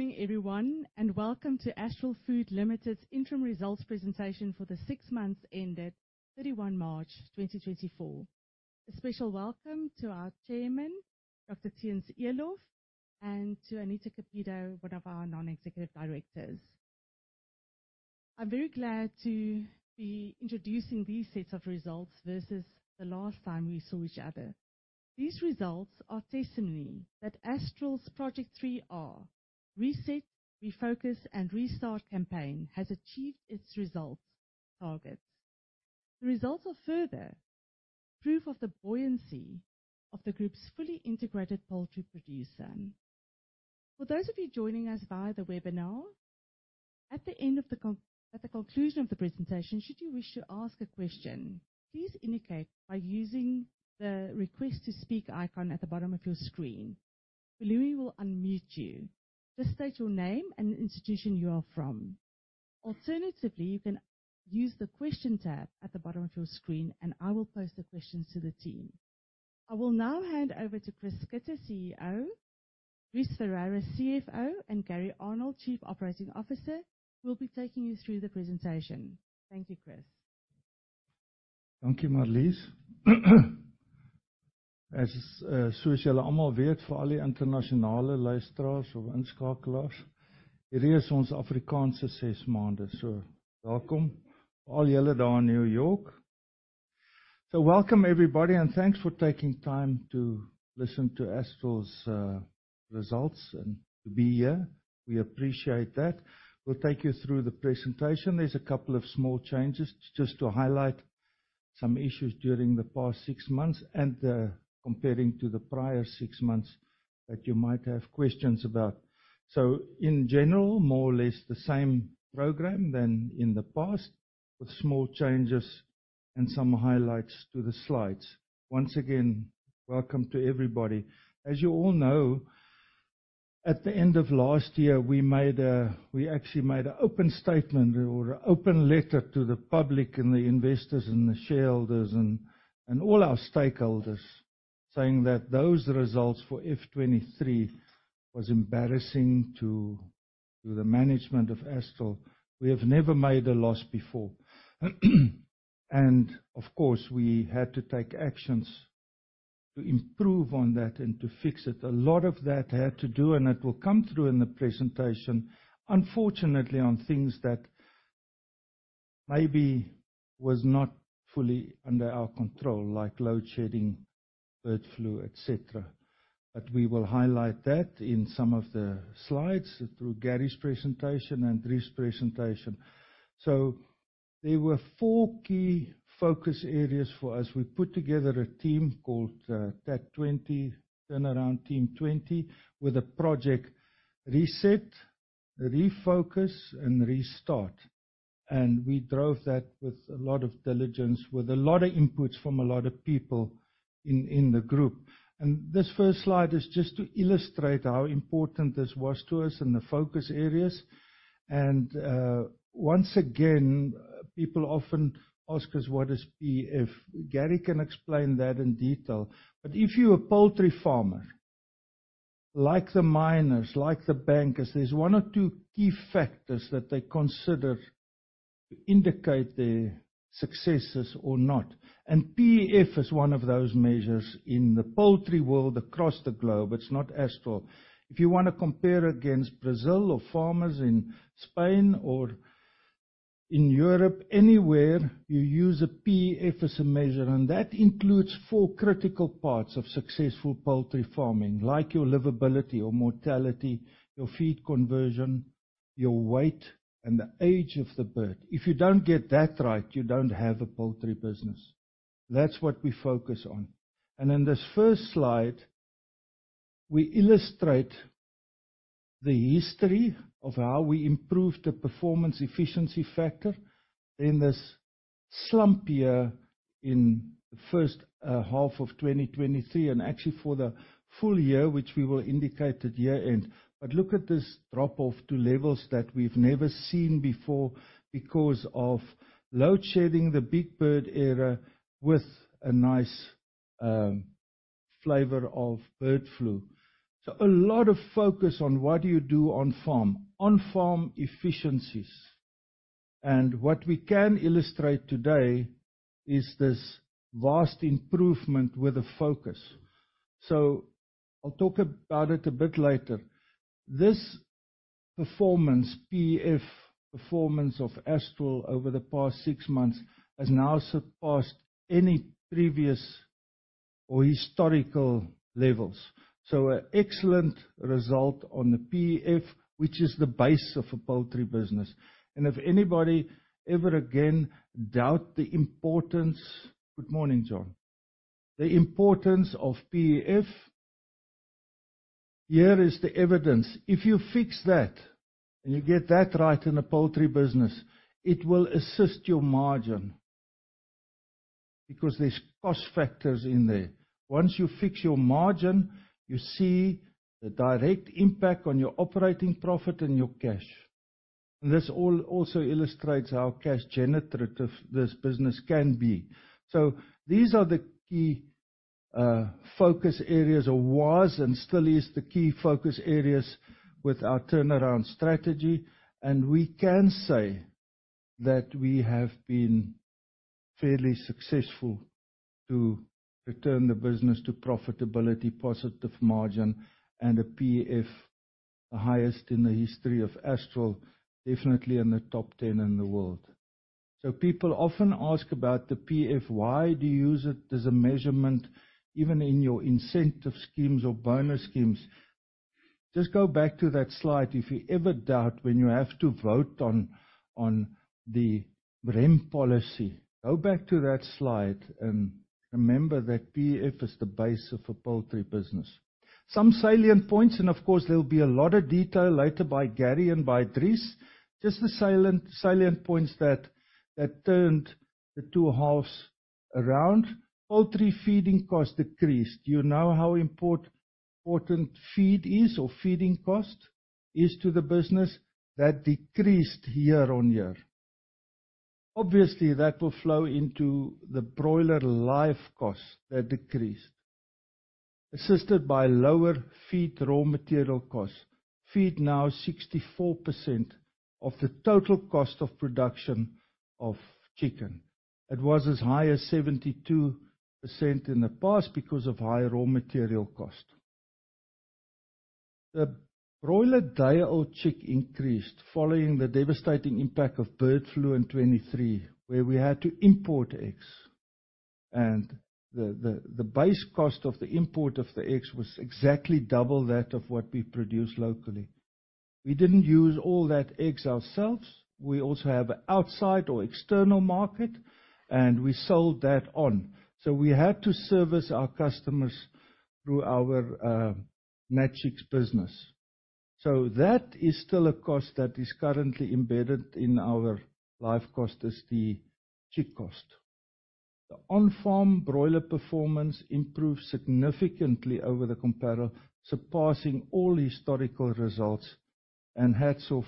Good morning, everyone, and welcome to Astral Foods Limited's interim results presentation for the six months ended March 31, 2024. A special welcome to our Chairman, Dr. Theuns Eloff, and to Anita Cupido, one of our Non-executive Directors. I'm very glad to be introducing these sets of results versus the last time we saw each other. These results are testimony that Astral's Project 3R, Reset, Refocus, and Restart campaign, has achieved its results targets. The results are further proof of the buoyancy of the group's fully integrated poultry producer. For those of you joining us via the webinar, at the conclusion of the presentation, should you wish to ask a question, please indicate by using the Request to Speak icon at the bottom of your screen. Pelumi will unmute you. Just state your name and the institution you are from. Alternatively, you can use the question tab at the bottom of your screen, and I will pose the questions to the team. I will now hand over to Chris Schutte, CEO, Dries Ferreira, CFO, and Gary Arnold, Chief Operating Officer, who will be taking you through the presentation. Thank you, Chris. Thank you, Marlize. As, so as you all know, for all the international listeners or participants, here is our African six months. Welcome, all you there in New York. Welcome, everybody, and thanks for taking time to listen to Astral's results and to be here. We appreciate that. We'll take you through the presentation. There's a couple of small changes just to highlight some issues during the past six months and, comparing to the prior six months that you might have questions about. In general, more or less the same program than in the past, with small changes and some highlights to the slides. Once again, welcome to everybody. As you all know, at the end of last year, we made, we actually made an open statement or an open letter to the public and the investors and the shareholders and all our stakeholders, saying that those results for FY 2023 was embarrassing to the management of Astral. We have never made a loss before. And of course, we had to take actions to improve on that and to fix it. A lot of that had to do, and it will come through in the presentation, unfortunately, on things that maybe was not fully under our control, like load shedding, bird flu, et cetera. But we will highlight that in some of the slides through Gary's presentation and Dries' presentation. There were four key focus areas for us. We put together a team called TAT 20, Turnaround Team 20, with a project Reset, Refocus, and Restart. And we drove that with a lot of diligence, with a lot of inputs from a lot of people in the group. And this first slide is just to illustrate how important this was to us and the focus areas. And once again, people often ask us what is PEF? Gary can explain that in detail. But if you're a poultry farmer, like the miners, like the bankers, there's one or two key factors that they consider to indicate their successes or not, and PEF is one of those measures in the poultry world across the globe. It's not Astral. If you want to compare against Brazil or farmers in Spain or in Europe, anywhere, you use a PEF as a measure, and that includes four critical parts of successful poultry farming, like your livability or mortality, your feed conversion, your weight, and the age of the bird. If you don't get that right, you don't have a poultry business. That's what we focus on. And in this first slide, we illustrate the history of how we improved the performance efficiency factor in this slump year in the first half of 2023, and actually for the full year, which we will indicate at year-end. But look at this drop-off to levels that we've never seen before because of load shedding, the big bird era, with a nice flavor of bird flu. So a lot of focus on what you do on farm, on-farm efficiencies. What we can illustrate today is this vast improvement with a focus. I'll talk about it a bit later. This performance, PEF performance, of Astral over the past six months has now surpassed any previous or historical levels. An excellent result on the PEF, which is the base of a poultry business. If anybody ever again doubt the importance... Good morning, John. The importance of PEF, here is the evidence. If you fix that and you get that right in a poultry business, it will assist your margin, because there's cost factors in there. Once you fix your margin, you see the direct impact on your operating profit and your cash.... This all also illustrates how cash generative this business can be. These are the key focus areas, or was, and still is, the key focus areas with our turnaround strategy. And we can say that we have been fairly successful to return the business to profitability, positive margin, and a PEF, the highest in the history of Astral, definitely in the top 10 in the world. So people often ask about the PEF, why do you use it as a measurement, even in your incentive schemes or bonus schemes? Just go back to that slide. If you ever doubt when you have to vote on, on the Rem policy, go back to that slide and remember that PEF is the base of a poultry business. Some salient points, and of course, there'll be a lot of detail later by Gary and by Dries. Just the salient points that, that turned the two halves around. Poultry feeding costs decreased. Do you know how important feed is or feeding cost is to the business? That decreased year-on-year. Obviously, that will flow into the broiler life costs, that decreased, assisted by lower feed raw material costs. Feed now 64% of the total cost of production of chicken. It was as high as 72% in the past because of high raw material cost. The broiler day-old chick increased following the devastating impact of bird flu in 2023, where we had to import eggs, and the base cost of the import of the eggs was exactly double that of what we produce locally. We didn't use all that eggs ourselves. We also have outside or external market, and we sold that on. So we had to service our customers through our Nutrichick business. So that is still a cost that is currently embedded in our life cost, is the chick cost. The on-farm broiler performance improved significantly over the comparable, surpassing all historical results, and hats off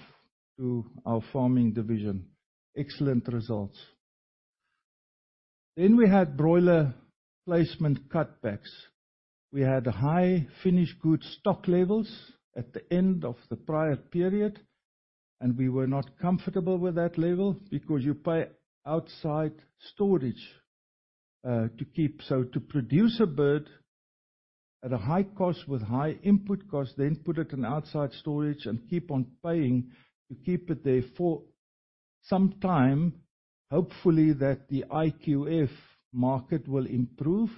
to our farming division. Excellent results. Then we had broiler placement cutbacks. We had high finished goods stock levels at the end of the prior period, and we were not comfortable with that level because you pay outside storage to keep. So to produce a bird at a high cost with high input cost, then put it in outside storage and keep on paying to keep it there for some time, hopefully that the IQF market will improve.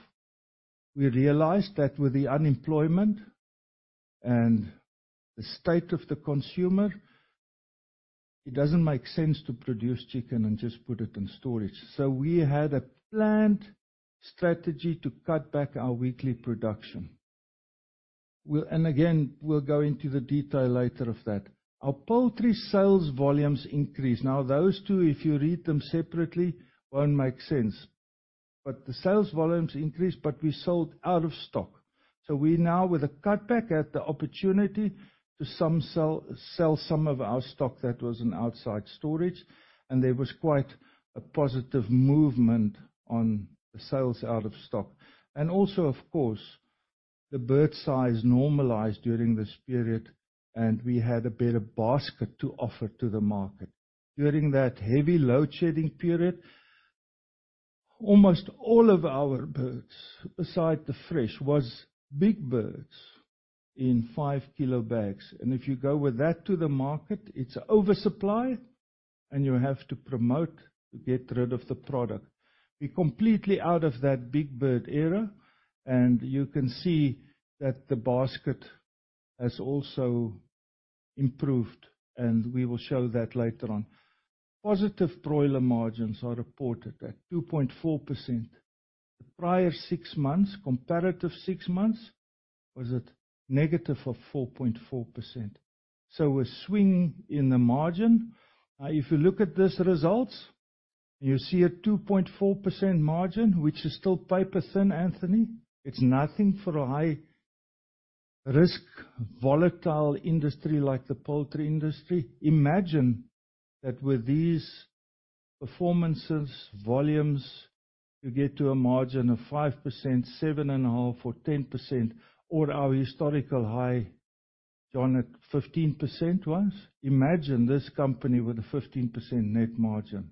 We realized that with the unemployment and the state of the consumer, it doesn't make sense to produce chicken and just put it in storage. So we had a planned strategy to cut back our weekly production. And again, we'll go into the detail later of that. Our poultry sales volumes increased. Now, those two, if you read them separately, won't make sense, but the sales volumes increased, but we sold out of stock. So we now, with a cutback, had the opportunity to sell some of our stock that was in outside storage, and there was quite a positive movement on the sales out of stock. And also, of course, the bird size normalized during this period, and we had a better basket to offer to the market. During that heavy load shedding period, almost all of our birds, aside the fresh, was big birds in 5-kilo bags. And if you go with that to the market, it's oversupply, and you have to promote to get rid of the product. We're completely out of that big bird era, and you can see that the basket has also improved, and we will show that later on. Positive broiler margins are reported at 2.4%. The prior six months, comparative six months, was at -4.4%. So a swing in the margin. If you look at these results, you see a 2.4% margin, which is still paper-thin, Anthony. It's nothing for a high-risk, volatile industry like the poultry industry. Imagine that with these performances, volumes, you get to a margin of 5%, 7.5%, or 10%, or our historical high, John, at 15% was. Imagine this company with a 15% net margin.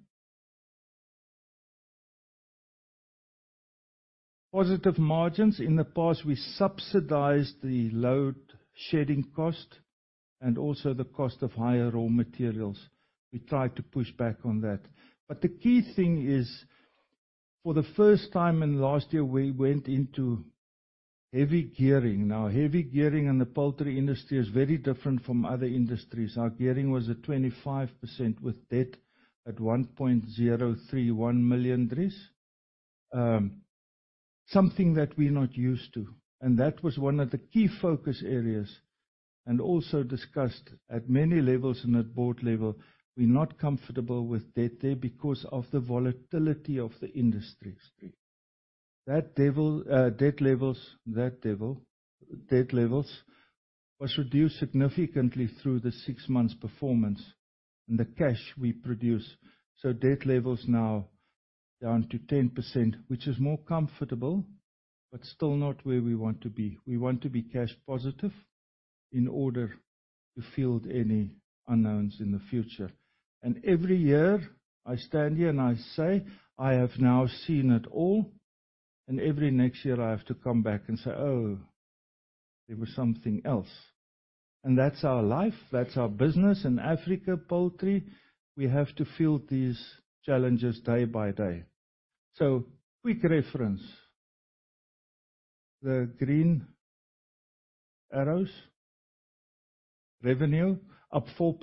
Positive margins. In the past, we subsidized the load-shedding cost and also the cost of higher raw materials. We tried to push back on that. But the key thing is, for the first time in the last year, we went into heavy gearing. Now, heavy gearing in the poultry industry is very different from other industries. Our gearing was at 25%, with debt at 1.031 billion, Dries. Something that we're not used to, and that was one of the key focus areas, and also discussed at many levels in the board level. We're not comfortable with debt there because of the volatility of the industry. That devil, debt levels, that devil, debt levels was reduced significantly through the six months' performance and the cash we produce. So debt level's now down to 10%, which is more comfortable, but still not where we want to be. We want to be cash positive in order to field any unknowns in the future. And every year I stand here and I say, "I have now seen it all," and every next year I have to come back and say, "Oh, there was something else." And that's our life, that's our business. In Africa, poultry, we have to field these challenges day by day. So quick reference. The green arrows, revenue up 4%,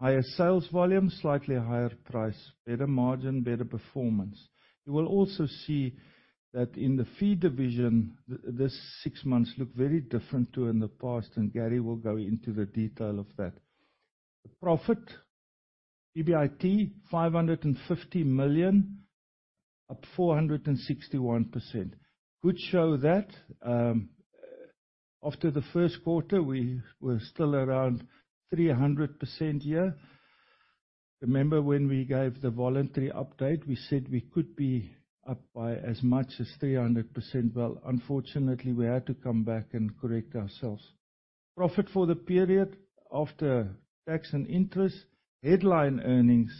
higher sales volume, slightly higher price, better margin, better performance. You will also see that in the feed division, this six months look very different to in the past, and Gary will go into the detail of that. The profit, EBIT, 550 million, up 461%. Could show that, after the first quarter, we were still around 300% here. Remember when we gave the voluntary update, we said we could be up by as much as 300%. Well, unfortunately, we had to come back and correct ourselves. Profit for the period after tax and interest, headline earnings,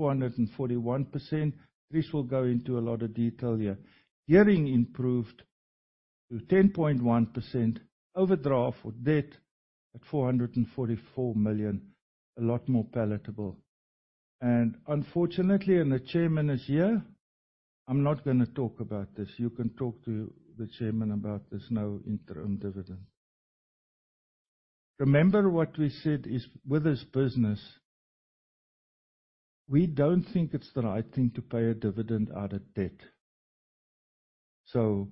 441%. Dries will go into a lot of detail here. Gearing improved to 10.1%. Overdraft or debt at 444 million, a lot more palatable. And unfortunately, and the chairman is here, I'm not gonna talk about this. You can talk to the chairman about this, no interim dividend. Remember, what we said is, with this business, we don't think it's the right thing to pay a dividend out of debt. So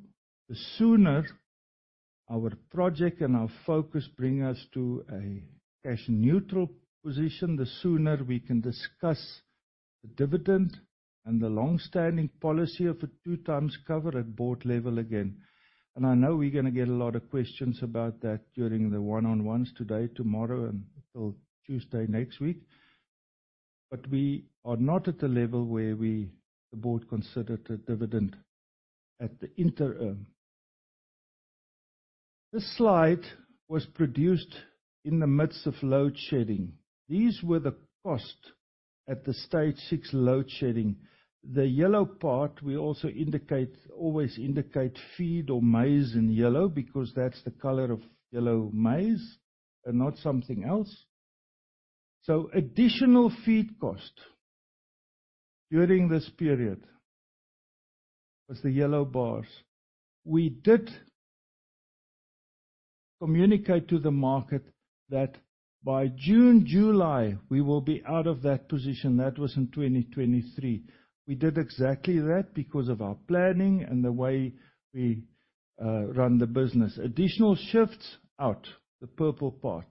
the sooner our project and our focus bring us to a cash neutral position, the sooner we can discuss the dividend and the long-standing policy of a 2x cover at board level again. I know we're gonna get a lot of questions about that during the one-on-ones today, tomorrow, and till Tuesday next week. But we are not at a level where we, the board, considered a dividend at the interim. This slide was produced in the midst of load shedding. These were the costs at the stage 6 load shedding. The yellow part, we also indicate, always indicate feed or maize in yellow, because that's the color of yellow maize and not something else. Additional feed cost during this period was the yellow bars. We did communicate to the market that by June, July, we will be out of that position. That was in 2023. We did exactly that because of our planning and the way we run the business. Additional shifts out, the purple part.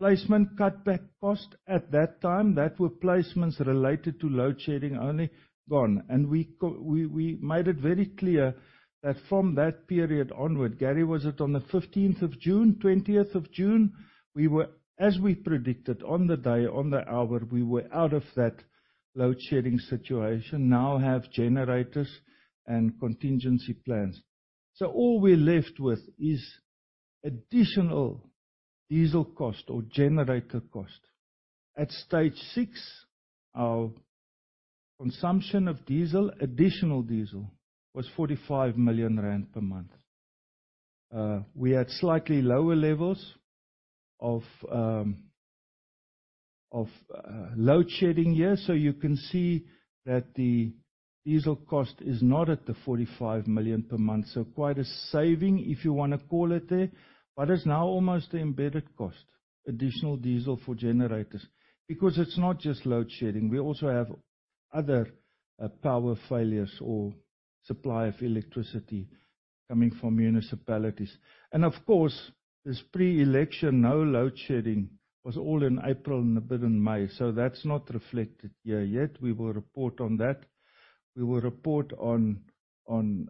Placement cutback cost at that time, that were placements related to load shedding, only gone. And we made it very clear that from that period onward... Gary, was it on the June 15th, June 20th? We were, as we predicted, on the day, on the hour, we were out of that load shedding situation. Now have generators and contingency plans. So all we're left with is additional diesel cost or generator cost. At stage 6, our consumption of diesel, additional diesel, was 45 million rand per month. We had slightly lower levels of load shedding here. So you can see that the diesel cost is not at the 45 million per month. So quite a saving, if you wanna call it that, but it's now almost an embedded cost, additional diesel for generators, because it's not just load shedding, we also have other power failures or supply of electricity coming from municipalities. And of course, this pre-election, no load shedding was all in April and a bit in May, so that's not reflected here yet. We will report on that. We will report on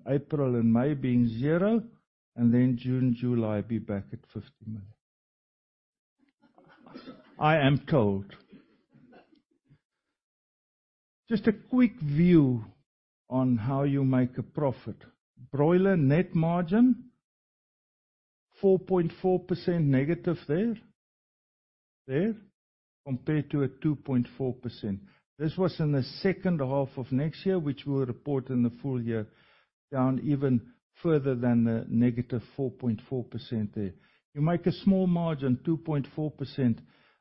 April and May being 0, and then June, July, be back at 50 million. I am told. Just a quick view on how you make a profit. Broiler net margin, negative 4.4% there, compared to a 2.4%. This was in the second half of next year, which we'll report in the full year, down even further than the negative 4.4% there. You make a small margin, 2.4%, and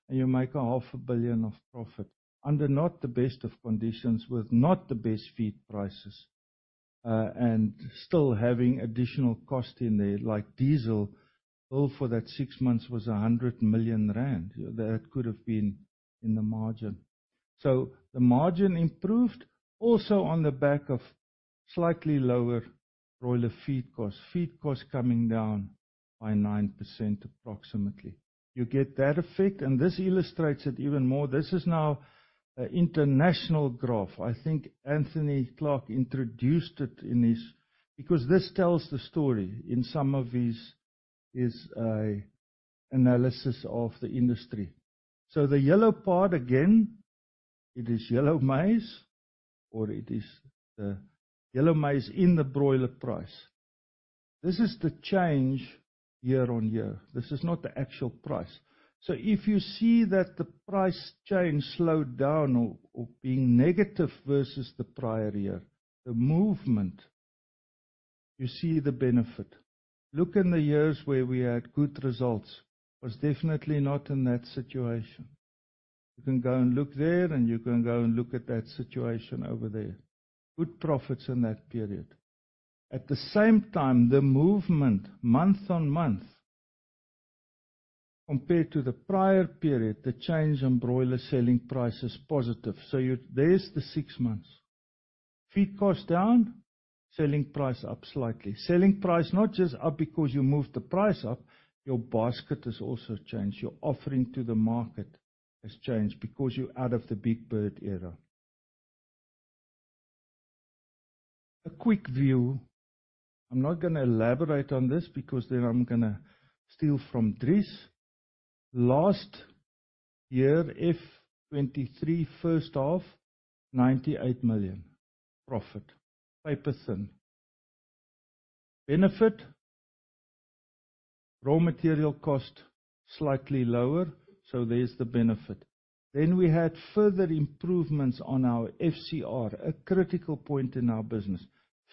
you make 500 million of profit, under not the best of conditions, with not the best feed prices, and still having additional cost in there, like diesel. Bill for that six months was 100 million rand. That could have been in the margin. So the margin improved, also on the back of slightly lower broiler feed cost. Feed cost coming down by 9%, approximately. You get that effect, and this illustrates it even more. This is now an international graph. I think Anthony Clark introduced it in his analysis of the industry. So the yellow part, again, it is yellow maize, or it is the yellow maize in the broiler price. This is the change year-on-year. This is not the actual price. So if you see that the price change slowed down or being negative versus the prior year, the movement, you see the benefit. Look in the years where we had good results, was definitely not in that situation. You can go and look there, and you can go and look at that situation over there. Good profits in that period. At the same time, the movement month-on-month, compared to the prior period, the change in broiler selling price is positive. So you— there's the 6 months. Feed cost down, selling price up slightly. Selling price not just up because you moved the price up, your basket has also changed. Your offering to the market has changed because you're out of the big bird era. A quick view. I'm not gonna elaborate on this, because then I'm gonna steal from Dries. Last year, FY 2023, first half, ZAR 98 million profit, paper-thin. Benefit, raw material cost slightly lower, so there's the benefit. Then we had further improvements on our FCR, a critical point in our business.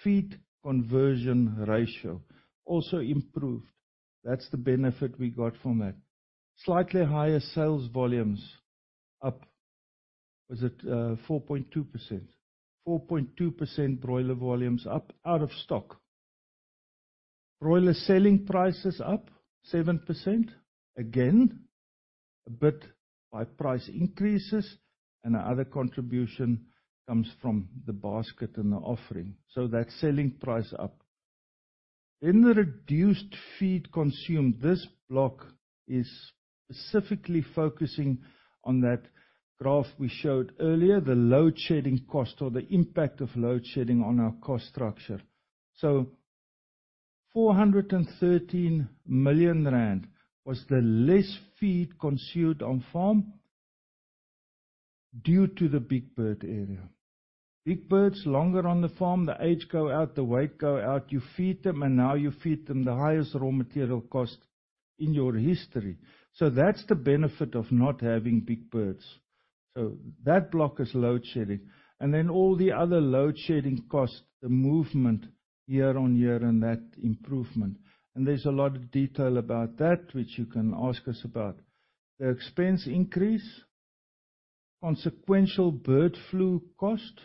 Feed conversion ratio also improved. That's the benefit we got from that. Slightly higher sales volumes, up, was it, 4.2%? 4.2% broiler volumes up, out of stock. Broiler selling price is up 7%. Again, a bit by price increases, and the other contribution comes from the basket and the offering, so that's selling price up. Then the reduced feed consumed. This block is specifically focusing on that graph we showed earlier, the load shedding cost or the impact of load shedding on our cost structure. So 413 million rand was the less feed consumed on farm due to the big bird era. Big birds, longer on the farm, the age go out, the weight go out, you feed them, and now you feed them the highest raw material cost in your history. So that's the benefit of not having big birds. So that block is load shedding. And then all the other load shedding costs, the movement year-on-year and that improvement. And there's a lot of detail about that, which you can ask us about. The expense increase, consequential bird flu cost,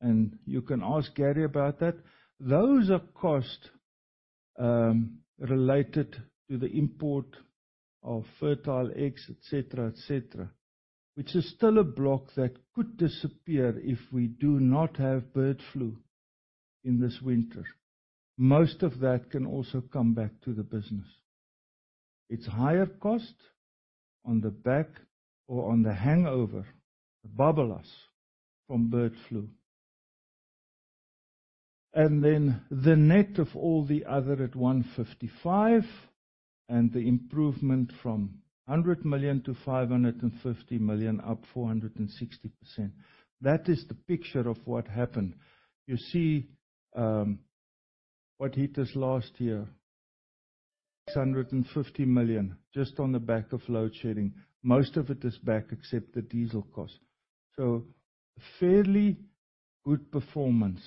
and you can ask Gary about that. Those are costs related to the import of fertile eggs, et cetera, et cetera, which is still a block that could disappear if we do not have bird flu in this winter. Most of that can also come back to the business. It's higher cost on the back or on the hangover, babalas, from bird flu. And then the net of all the other at 155, and the improvement from 100 million-550 million, up 460%. That is the picture of what happened. You see, what hit us last year, 650 million, just on the back of load shedding. Most of it is back, except the diesel cost. So fairly good performance,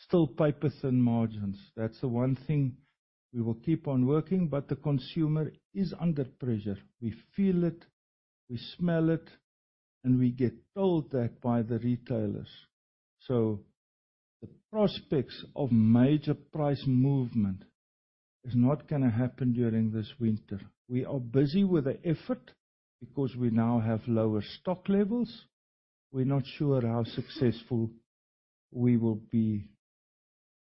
still paper-thin margins. That's the one thing we will keep on working, but the consumer is under pressure. We feel it, we smell it, and we get told that by the retailers. So the prospects of major price movement is not gonna happen during this winter. We are busy with the effort because we now have lower stock levels. We're not sure how successful we will be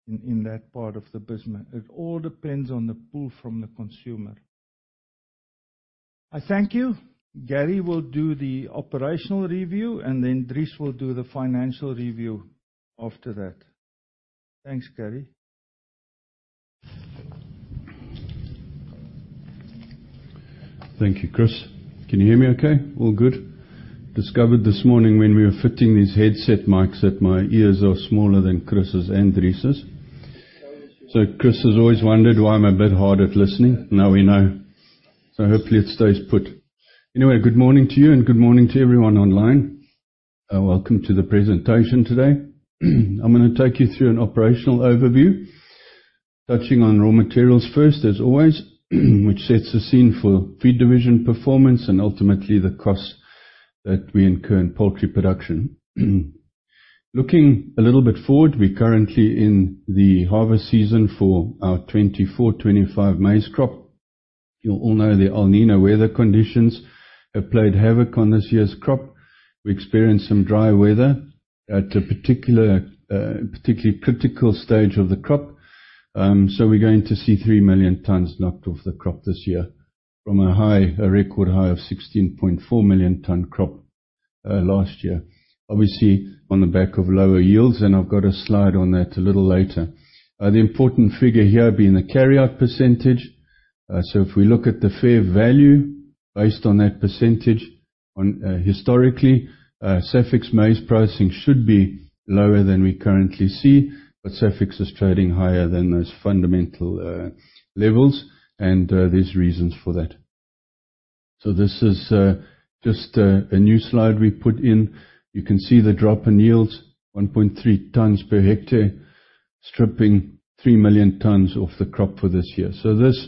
in that part of the business. It all depends on the pull from the consumer. I thank you. Gary will do the operational review, and then Dries will do the financial review after that. Thanks, Gary. Thank you, Chris. Can you hear me okay? All good. Discovered this morning when we were fitting these headset mics, that my ears are smaller than Chris' and Dries'. So Chris has always wondered why I'm a bit hard at listening. Now we know, so hopefully it stays put. Anyway, good morning to you, and good morning to everyone online. Welcome to the presentation today. I'm gonna take you through an operational overview, touching on raw materials first, as always, which sets the scene for feed division performance and ultimately the costs that we incur in poultry production. Looking a little bit forward, we're currently in the harvest season for our 2024-2025 maize crop.... You all know the El Niño weather conditions have played havoc on this year's crop. We experienced some dry weather at a particular, particularly critical stage of the crop. So we're going to see 3 million tons knocked off the crop this year from a high, a record high of 16.4 million-ton crop last year. Obviously, on the back of lower yields, and I've got a slide on that a little later. The important figure here being the carryout percentage. So if we look at the fair value based on that percentage, on historically, SAFEX maize pricing should be lower than we currently see, but SAFEX is trading higher than those fundamental levels, and there's reasons for that. So this is just a new slide we put in. You can see the drop in yields, 1.3 tonnes per hectare, stripping 3 million tons off the crop for this year. So this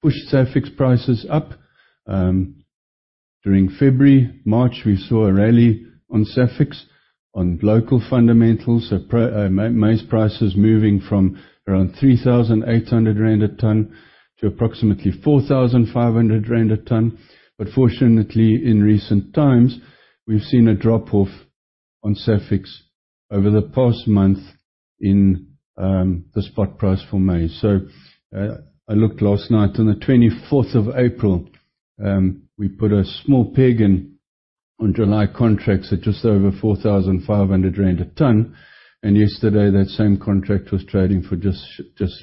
pushed SAFEX prices up. During February, March, we saw a rally on SAFEX on local fundamentals, so maize prices moving from around 3,800 rand a ton to approximately 4,500 rand a ton. But fortunately, in recent times, we've seen a drop-off on SAFEX over the past month in the spot price for maize. So, I looked last night on the April 24th, we put a small peg in on July contracts at just over 4,500 rand a ton, and yesterday, that same contract was trading for just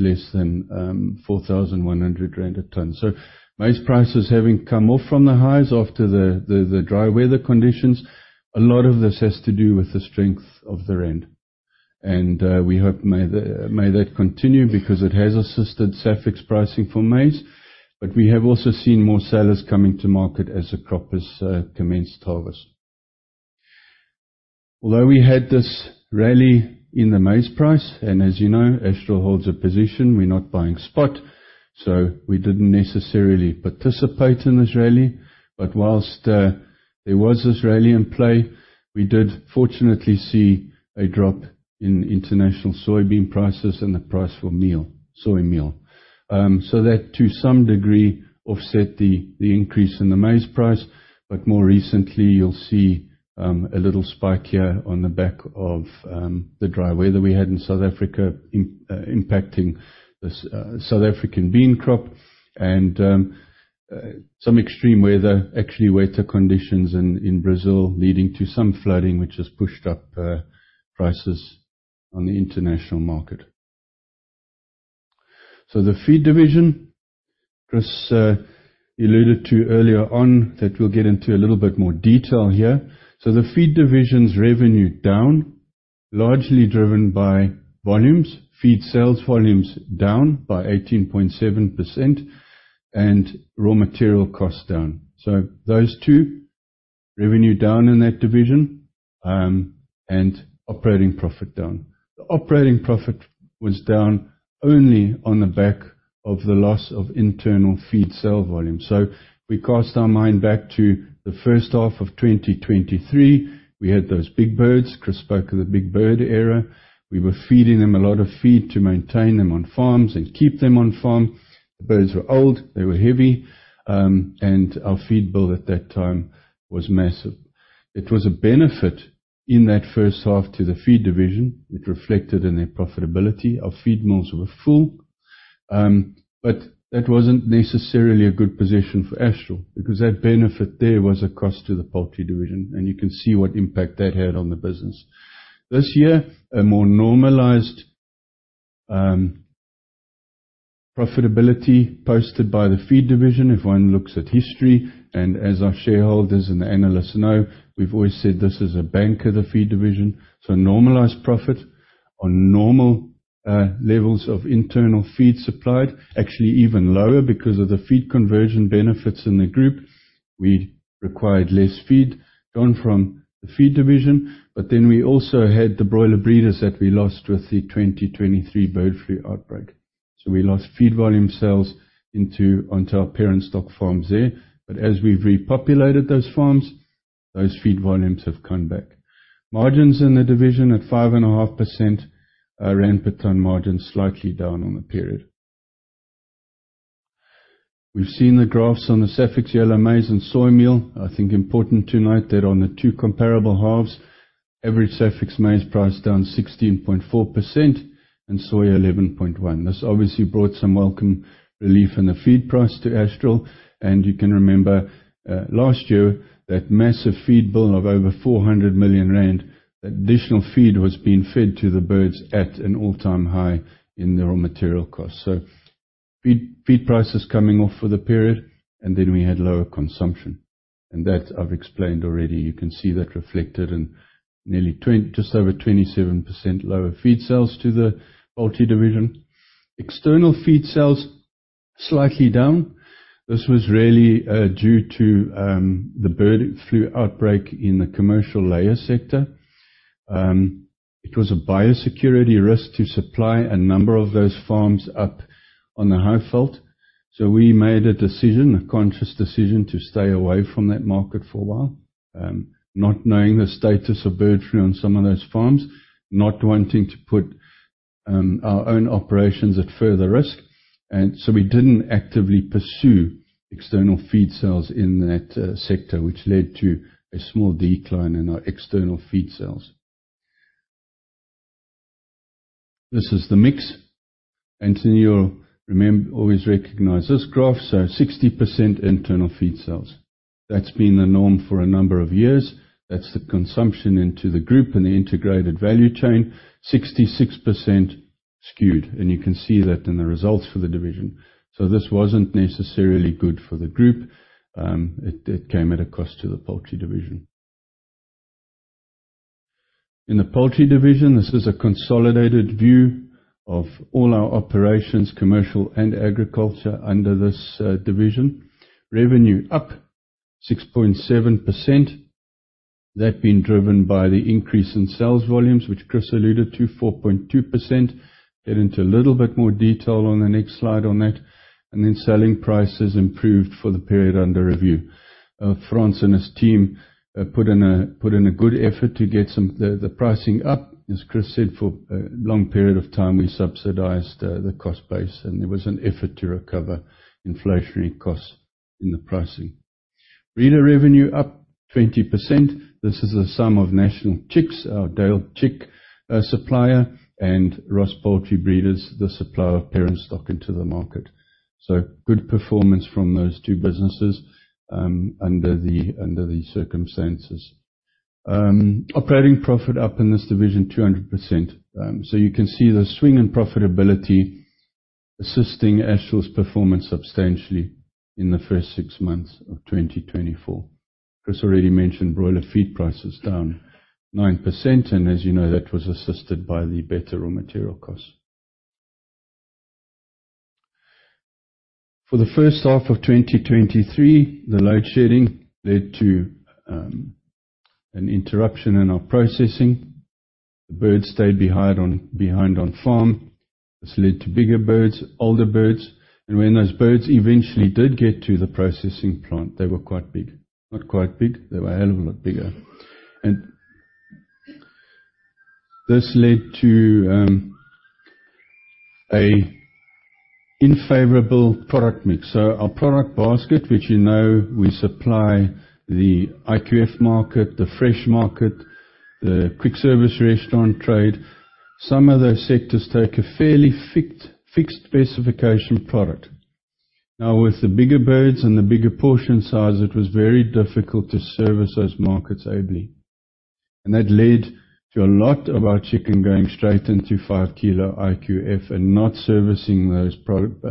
less than 4,100 rand a ton. So maize prices having come off from the highs after the dry weather conditions, a lot of this has to do with the strength of the rand, and we hope may that continue, because it has assisted SAFEX pricing for maize. But we have also seen more sellers coming to market as the crop is commenced harvest. Although we had this rally in the maize price, and as you know, Astral holds a position, we're not buying spot, so we didn't necessarily participate in this rally. But whilst there was this rally in play, we did fortunately see a drop in international soybean prices and the price for meal, soy meal. So that, to some degree, offset the increase in the maize price. But more recently, you'll see a little spike here on the back of the dry weather we had in South Africa, impacting the South African bean crop and some extreme weather, actually weather conditions in Brazil, leading to some flooding, which has pushed up prices on the international market. So the feed division, Chris alluded to earlier on, that we'll get into a little bit more detail here. So the feed division's revenue down, largely driven by volumes. Feed sales volumes down by 18.7% and raw material costs down. So those two, revenue down in that division, and operating profit down. The operating profit was down only on the back of the loss of internal feed sale volume. So we cast our mind back to the first half of 2023. We had those big birds. Chris spoke of the big bird era. We were feeding them a lot of feed to maintain them on farms and keep them on farm. The birds were old, they were heavy, and our feed bill at that time was massive. It was a benefit in that first half to the feed division. It reflected in their profitability. Our feed mills were full. But that wasn't necessarily a good position for Astral, because that benefit there was a cost to the poultry division, and you can see what impact that had on the business. This year, a more normalized profitability posted by the feed division. If one looks at history, and as our shareholders and analysts know, we've always said this is a bank of the feed division. Normalized profit on normal levels of internal feed supplied, actually even lower because of the feed conversion benefits in the group. We required less feed from the feed division, but then we also had the broiler breeders that we lost with the 2023 bird flu outbreak. So we lost feed volume sales into, onto our parent stock farms there. But as we've repopulated those farms, those feed volumes have come back. Margins in the division at 5.5%, our ZAR per ton margin slightly down on the period. We've seen the graphs on the SAFEX yellow maize and soy meal. I think important to note that on the two comparable halves, average SAFEX maize price down 16.4% and soy, 11.1%. This obviously brought some welcome relief in the feed price to Astral, and you can remember, last year, that massive feed bill of over 400 million rand. That additional feed was being fed to the birds at an all-time high in the raw material cost. So feed prices coming off for the period, and then we had lower consumption, and that I've explained already. You can see that reflected in just over 27% lower feed sales to the poultry division. External feed sales slightly down. This was really due to the bird flu outbreak in the commercial layer sector. It was a biosecurity risk to supply a number of those farms up on the Highveld. So we made a decision, a conscious decision, to stay away from that market for a while, not knowing the status of bird flu on some of those farms, not wanting to put our own operations at further risk, and so we didn't actively pursue external feed sales in that sector, which led to a small decline in our external feed sales. This is the mix, and then you'll remember, always recognize this graph. So 60% internal feed sales. That's been the norm for a number of years. That's the consumption into the group and the integrated value chain. 66% skewed, and you can see that in the results for the division. So this wasn't necessarily good for the group. It came at a cost to the poultry division. In the poultry division, this is a consolidated view of all our operations, commercial and agriculture, under this division. Revenue up 6.7%. That being driven by the increase in sales volumes, which Chris alluded to, 4.2%. Get into a little bit more detail on the next slide on that, and then selling prices improved for the period under review. Frans and his team put in a good effort to get the pricing up. As Chris said, for a long period of time, we subsidized the cost base, and there was an effort to recover inflationary costs in the pricing. Breeder revenue up 20%. This is a sum of National Chicks, our day-old chick supplier, and Ross Poultry Breeders, the supplier of parent stock into the market. So good performance from those two businesses under the circumstances. Operating profit up in this division, 200%. So you can see the swing in profitability assisting Astral's performance substantially in the first six months of 2024. Chris already mentioned broiler feed prices down 9%, and as you know, that was assisted by the better raw material costs. For the first half of 2023, the load shedding led to an interruption in our processing. The birds stayed behind on farm. This led to bigger birds, older birds, and when those birds eventually did get to the processing plant, they were quite big. Not quite big, they were a hell of a lot bigger. And this led to an unfavorable product mix. So our product basket, which, you know, we supply the IQF market, the fresh market, the quick service restaurant trade. Some of those sectors take a fairly fixed, fixed specification product. Now, with the bigger birds and the bigger portion size, it was very difficult to service those markets ably. And that led to a lot of our chicken going straight into 5 kg IQF and not servicing those product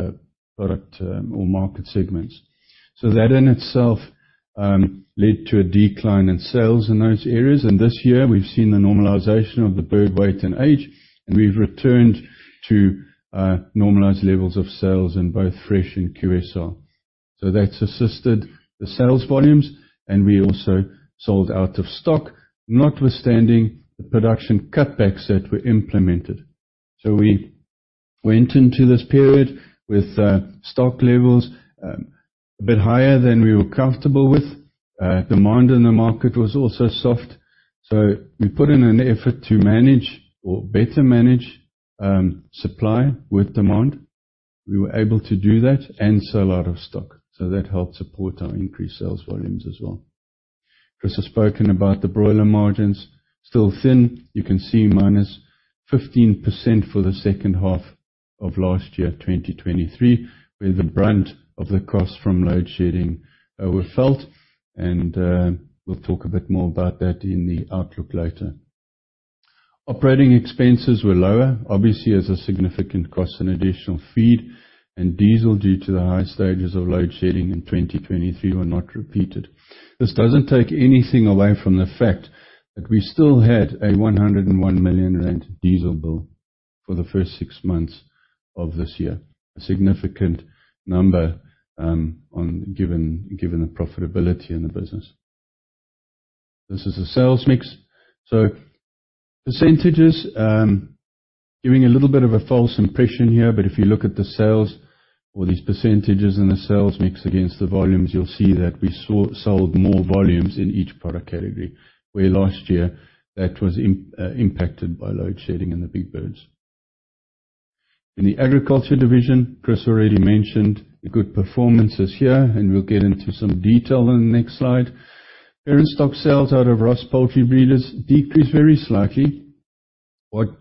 or market segments. So that in itself led to a decline in sales in those areas. And this year, we've seen the normalization of the bird weight and age, and we've returned to normalized levels of sales in both fresh and QSR. So that's assisted the sales volumes, and we also sold out of stock, notwithstanding the production cutbacks that were implemented. So we went into this period with stock levels a bit higher than we were comfortable with. Demand in the market was also soft, so we put in an effort to manage or better manage supply with demand. We were able to do that and sell out of stock, so that helped support our increased sales volumes as well. Chris has spoken about the broiler margins, still thin. You can see -15% for the second half of last year, 2023, where the brunt of the costs from load shedding were felt, and we'll talk a bit more about that in the outlook later. Operating expenses were lower. Obviously, as a significant cost in additional feed and diesel due to the high stages of load shedding in 2023 were not repeated. This doesn't take anything away from the fact that we still had a 101 million rand diesel bill for the first six months of this year. A significant number, given the profitability in the business. This is a sales mix. So percentages, giving a little bit of a false impression here, but if you look at the sales or these percentages and the sales mix against the volumes, you'll see that we sold more volumes in each product category, where last year that was impacted by load shedding and the big birds. In the agriculture division, Chris already mentioned the good performances here, and we'll get into some detail in the next slide. Parent stock sales out of Ross Poultry Breeders decreased very slightly. What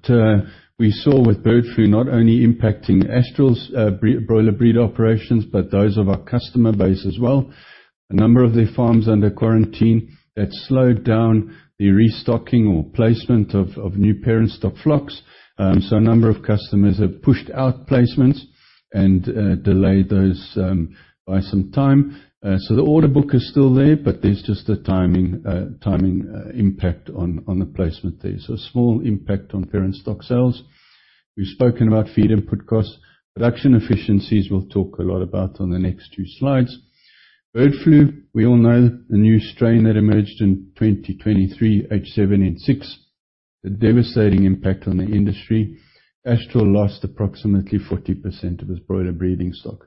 we saw with bird flu not only impacting Astral's broiler breeder operations, but those of our customer base as well. A number of their farms under quarantine, that slowed down the restocking or placement of new parent stock flocks. So a number of customers have pushed out placements and delayed those by some time. So the order book is still there, but there's just a timing impact on the placement there. So a small impact on parent stock sales. We've spoken about feed input costs, production efficiencies, we'll talk a lot about on the next two slides. Bird flu, we all know the new strain that emerged in 2023, H7N6, a devastating impact on the industry. Astral lost approximately 40% of its broiler breeding stock....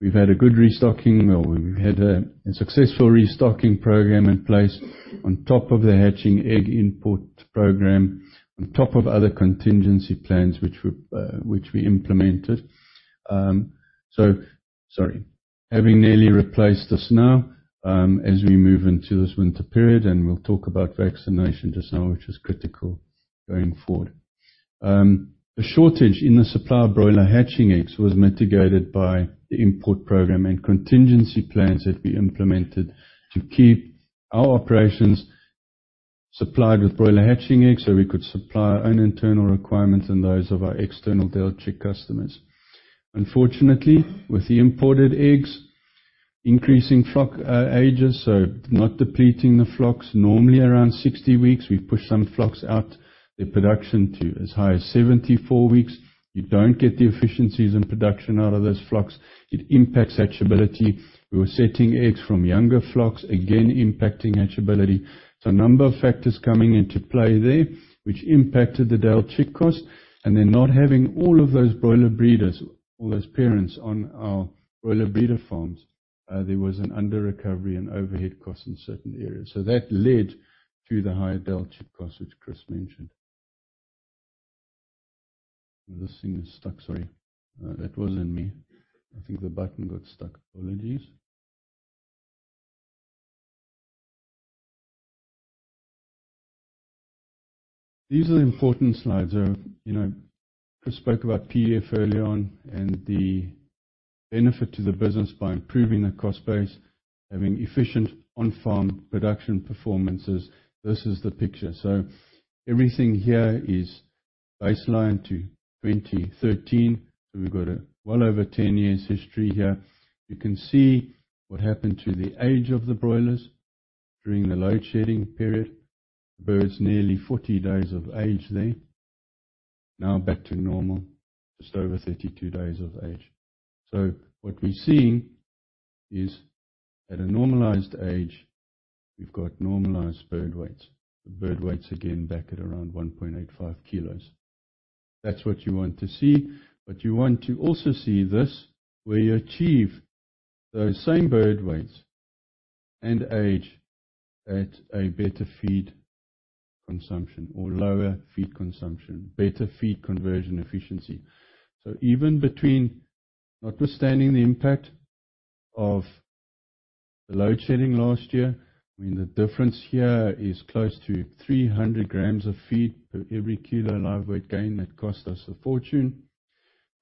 We've had a good restocking, or we've had a successful restocking program in place on top of the hatching egg import program, on top of other contingency plans which we implemented. Having nearly replaced this now, as we move into this winter period, and we'll talk about vaccination just now, which is critical going forward. The shortage in the supply of broiler hatching eggs was mitigated by the import program and contingency plans that we implemented to keep our operations supplied with broiler hatching eggs, so we could supply our own internal requirements and those of our external day-old chick customers. Unfortunately, with the imported eggs, increasing flock ages, so not depleting the flocks. Normally, around 60 weeks, we push some flocks out the production to as high as 74 weeks. You don't get the efficiencies and production out of those flocks. It impacts hatchability. We were setting eggs from younger flocks, again, impacting hatchability. So a number of factors coming into play there, which impacted the day-old chick costs, and then not having all of those broiler breeders, all those parents on our broiler breeder farms, there was an underrecovery in overhead costs in certain areas. So that led to the higher day-old chick costs, which Chris mentioned. This thing is stuck, sorry. That wasn't me. I think the button got stuck. Apologies. These are the important slides. You know, Chris spoke about PEF early on, and the benefit to the business by improving the cost base, having efficient on-farm production performances. This is the picture. So everything here is baseline to 2013. So we've got a well over 10-year history here. You can see what happened to the age of the broilers during the load shedding period. Birds nearly 40 days of age there. Now back to normal, just over 32 days of age. So what we're seeing is at a normalized age, we've got normalized bird weights. The bird weights, again, back at around 1.85 kilos. That's what you want to see, but you want to also see this, where you achieve those same bird weights and age at a better feed consumption or lower feed consumption, better feed conversion efficiency. So even between notwithstanding the impact of the load shedding last year, I mean, the difference here is close to 300 g of feed per every kilo live weight gain. That cost us a fortune.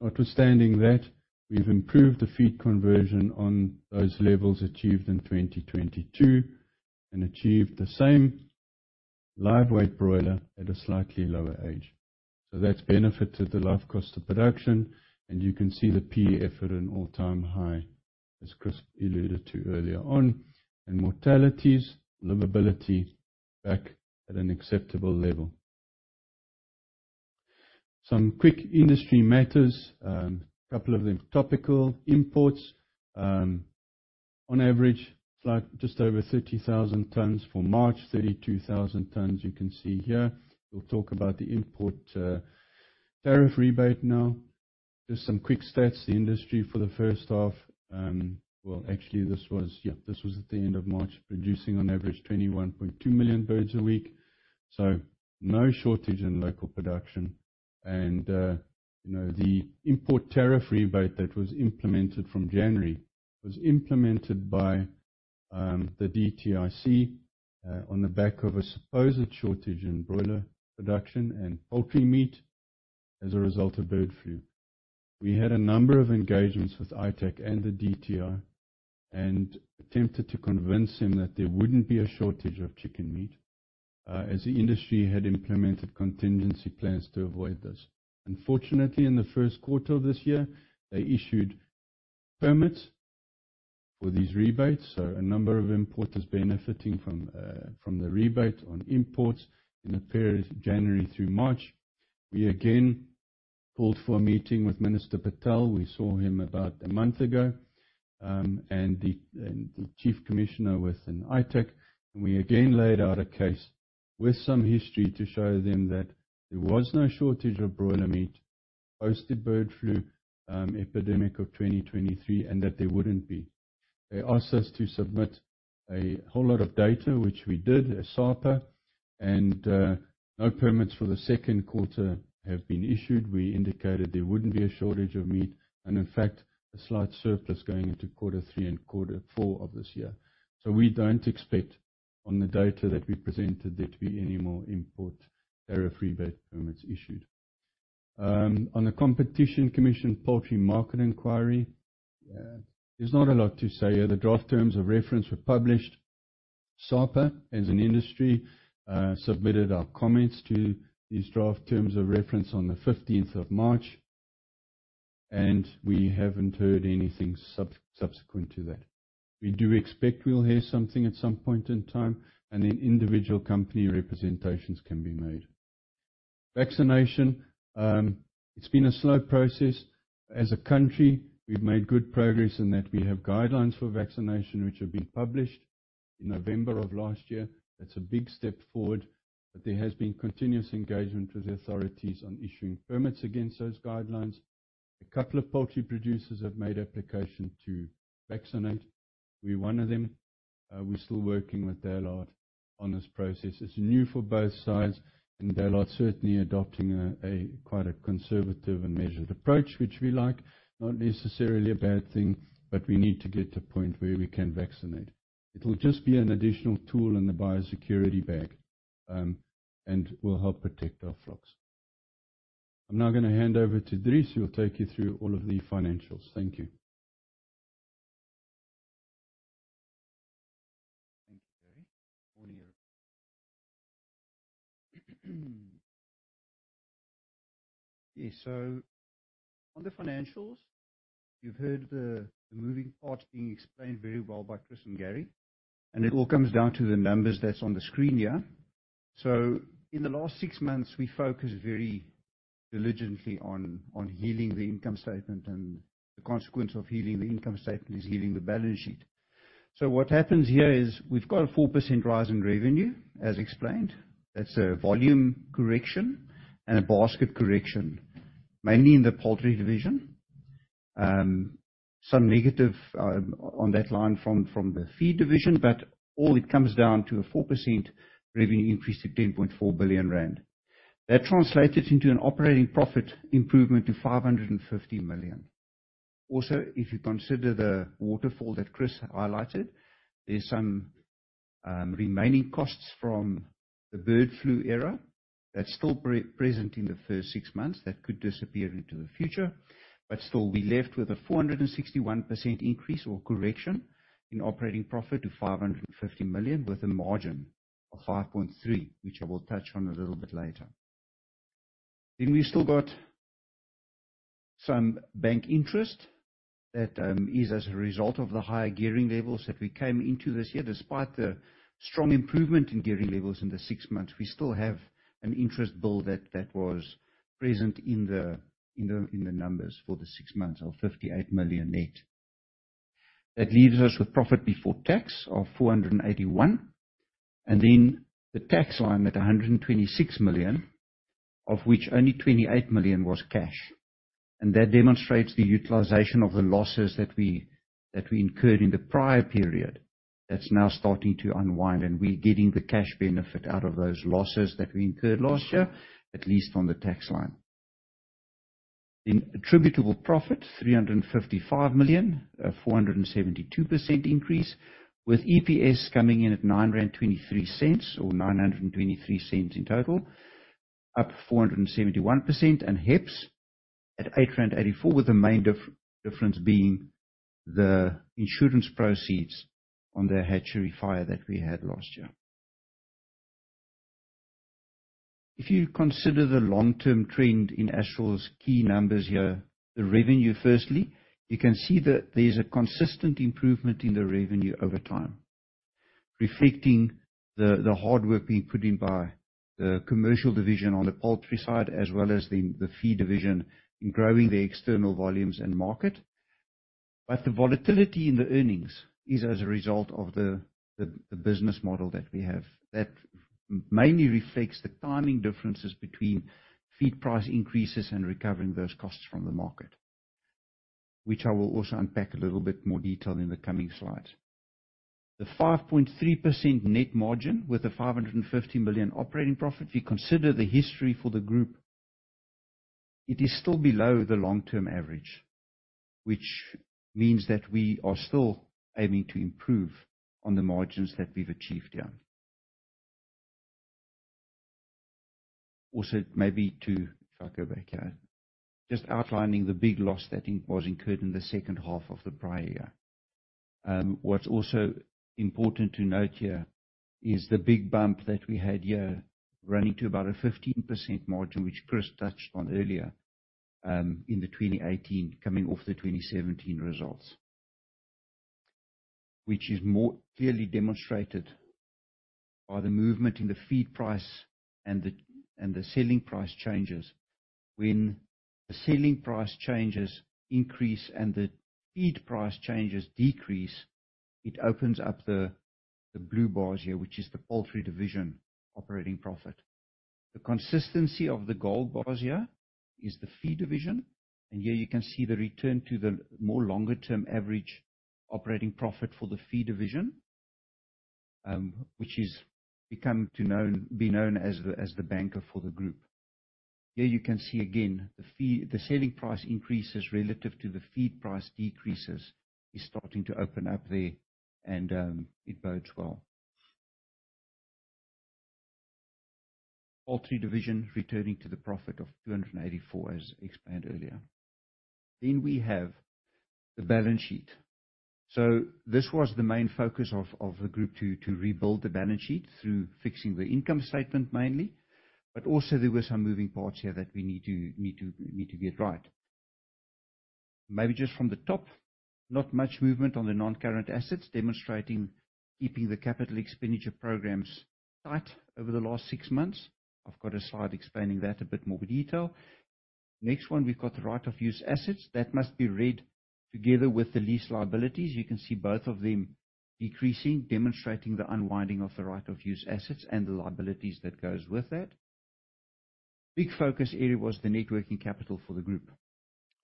Notwithstanding that, we've improved the feed conversion on those levels achieved in 2022 and achieved the same live weight broiler at a slightly lower age. So that's benefited the live cost of production, and you can see the PEF at an all-time high, as Chris alluded to earlier on, and mortalities, livability back at an acceptable level. Some quick industry matters, a couple of them topical imports. On average, it's like just over 30,000 tonnes for March, 32,000 tonnes you can see here. We'll talk about the import tariff rebate now. Just some quick stats, the industry for the first half. This was at the end of March, producing on average 21.2 million birds a week. So no shortage in local production, and, you know, the import tariff rebate that was implemented from January, was implemented by, the DTIC, on the back of a supposed shortage in broiler production and poultry meat as a result of bird flu. We had a number of engagements with ITAC and the DTI, and attempted to convince them that there wouldn't be a shortage of chicken meat, as the industry had implemented contingency plans to avoid this. Unfortunately, in the first quarter of this year, they issued permits for these rebates, so a number of importers benefiting from the rebate on imports in the period January through March. We again called for a meeting with Minister Patel. We saw him about a month ago, and the chief commissioner with an ITAC, and we again laid out a case with some history to show them that there was no shortage of broiler meat post the bird flu epidemic of 2023, and that there wouldn't be. They asked us to submit a whole lot of data, which we did, as SAPA, and no permits for the second quarter have been issued. We indicated there wouldn't be a shortage of meat, and in fact, a slight surplus going into quarter three and quarter four of this year. So we don't expect, on the data that we presented, there to be any more import tariff rebate permits issued. On the Competition Commission Poultry Market Inquiry, there's not a lot to say here. The draft terms of reference were published. SAPA, as an industry, submitted our comments to these draft terms of reference on the March 15th, and we haven't heard anything subsequent to that. We do expect we'll hear something at some point in time, and then individual company representations can be made. Vaccination, it's been a slow process. As a country, we've made good progress in that we have guidelines for vaccination, which have been published in November of last year. That's a big step forward, but there has been continuous engagement with the authorities on issuing permits against those guidelines. A couple of poultry producers have made application to vaccinate. We're one of them. We're still working with DALRRD on this process. It's new for both sides, and DALRRD's certainly adopting a quite a conservative and measured approach, which we like. Not necessarily a bad thing, but we need to get to a point where we can vaccinate. It'll just be an additional tool in the biosecurity bag, and will help protect our flocks. I'm now gonna hand over to Dries, who will take you through all of the financials. Thank you. Thank you, Gary. Morning, everyone. Yes, so on the financials, you've heard the moving parts being explained very well by Chris and Gary, and it all comes down to the numbers that's on the screen here. So in the last six months, we focused very diligently on healing the income statement, and the consequence of healing the income statement is healing the balance sheet. So what happens here is we've got a 4% rise in revenue, as explained. That's a volume correction and a basket correction, mainly in the poultry division. Some negative on that line from the feed division, but all it comes down to a 4% revenue increase to 10.4 billion rand. That translated into an operating profit improvement to 550 million. Also, if you consider the waterfall that Chris highlighted, there's some remaining costs from the bird flu era that's still pre-present in the first six months. That could disappear into the future, but still, we're left with a 461% increase or correction in operating profit to 550 million, with a margin of 5.3%, which I will touch on a little bit later. Then we've still got some bank interest that is as a result of the higher gearing levels that we came into this year. Despite the strong improvement in gearing levels in the six months, we still have an interest bill that was present in the numbers for the six months of 58 million net. That leaves us with profit before tax of 481 million, and then the tax line at 126 million, of which only 28 million was cash. And that demonstrates the utilization of the losses that we, that we incurred in the prior period. That's now starting to unwind, and we're getting the cash benefit out of those losses that we incurred last year, at least on the tax line. In attributable profit, 355 million, a 472% increase, with EPS coming in at 9.23 rand, or 9.23 in total, up 471%, and HEPS at 8.84 rand, with the main difference being the insurance proceeds on the hatchery fire that we had last year. If you consider the long-term trend in Astral's key numbers here, the revenue, firstly, you can see that there's a consistent improvement in the revenue over time, reflecting the, the hard work being put in by the commercial division on the poultry side, as well as the, the feed division in growing their external volumes and market. But the volatility in the earnings is as a result of the, the, the business model that we have. That mainly reflects the timing differences between feed price increases and recovering those costs from the market, which I will also unpack a little bit more detail in the coming slides. The 5.3% net margin, with a 550 million operating profit, if you consider the history for the group, it is still below the long-term average, which means that we are still aiming to improve on the margins that we've achieved here. Also, maybe to. If I go back here, just outlining the big loss that was incurred in the second half of the prior year. What's also important to note here is the big bump that we had here, running to about a 15% margin, which Chris touched on earlier, in the 2018, coming off the 2017 results. Which is more clearly demonstrated by the movement in the feed price and the selling price changes. When the selling price changes increase and the feed price changes decrease, it opens up the blue bars here, which is the poultry division operating profit. The consistency of the gold bars here is the feed division, and here you can see the return to the more longer-term average operating profit for the feed division, which has become known as the banker for the group. Here you can see again, the selling price increases relative to the feed price decreases is starting to open up there, and it bodes well. Poultry division returning to the profit of 284 million, as explained earlier. Then we have the balance sheet. So this was the main focus of the group, to rebuild the balance sheet through fixing the income statement mainly, but also there were some moving parts here that we need to get right. Maybe just from the top, not much movement on the non-current assets, demonstrating keeping the capital expenditure programs tight over the last six months. I've got a slide explaining that in a bit more detail. Next one, we've got right-of-use assets. That must be read together with the lease liabilities. You can see both of them decreasing, demonstrating the unwinding of the right-of-use assets and the liabilities that goes with that. Big focus area was the net working capital for the group.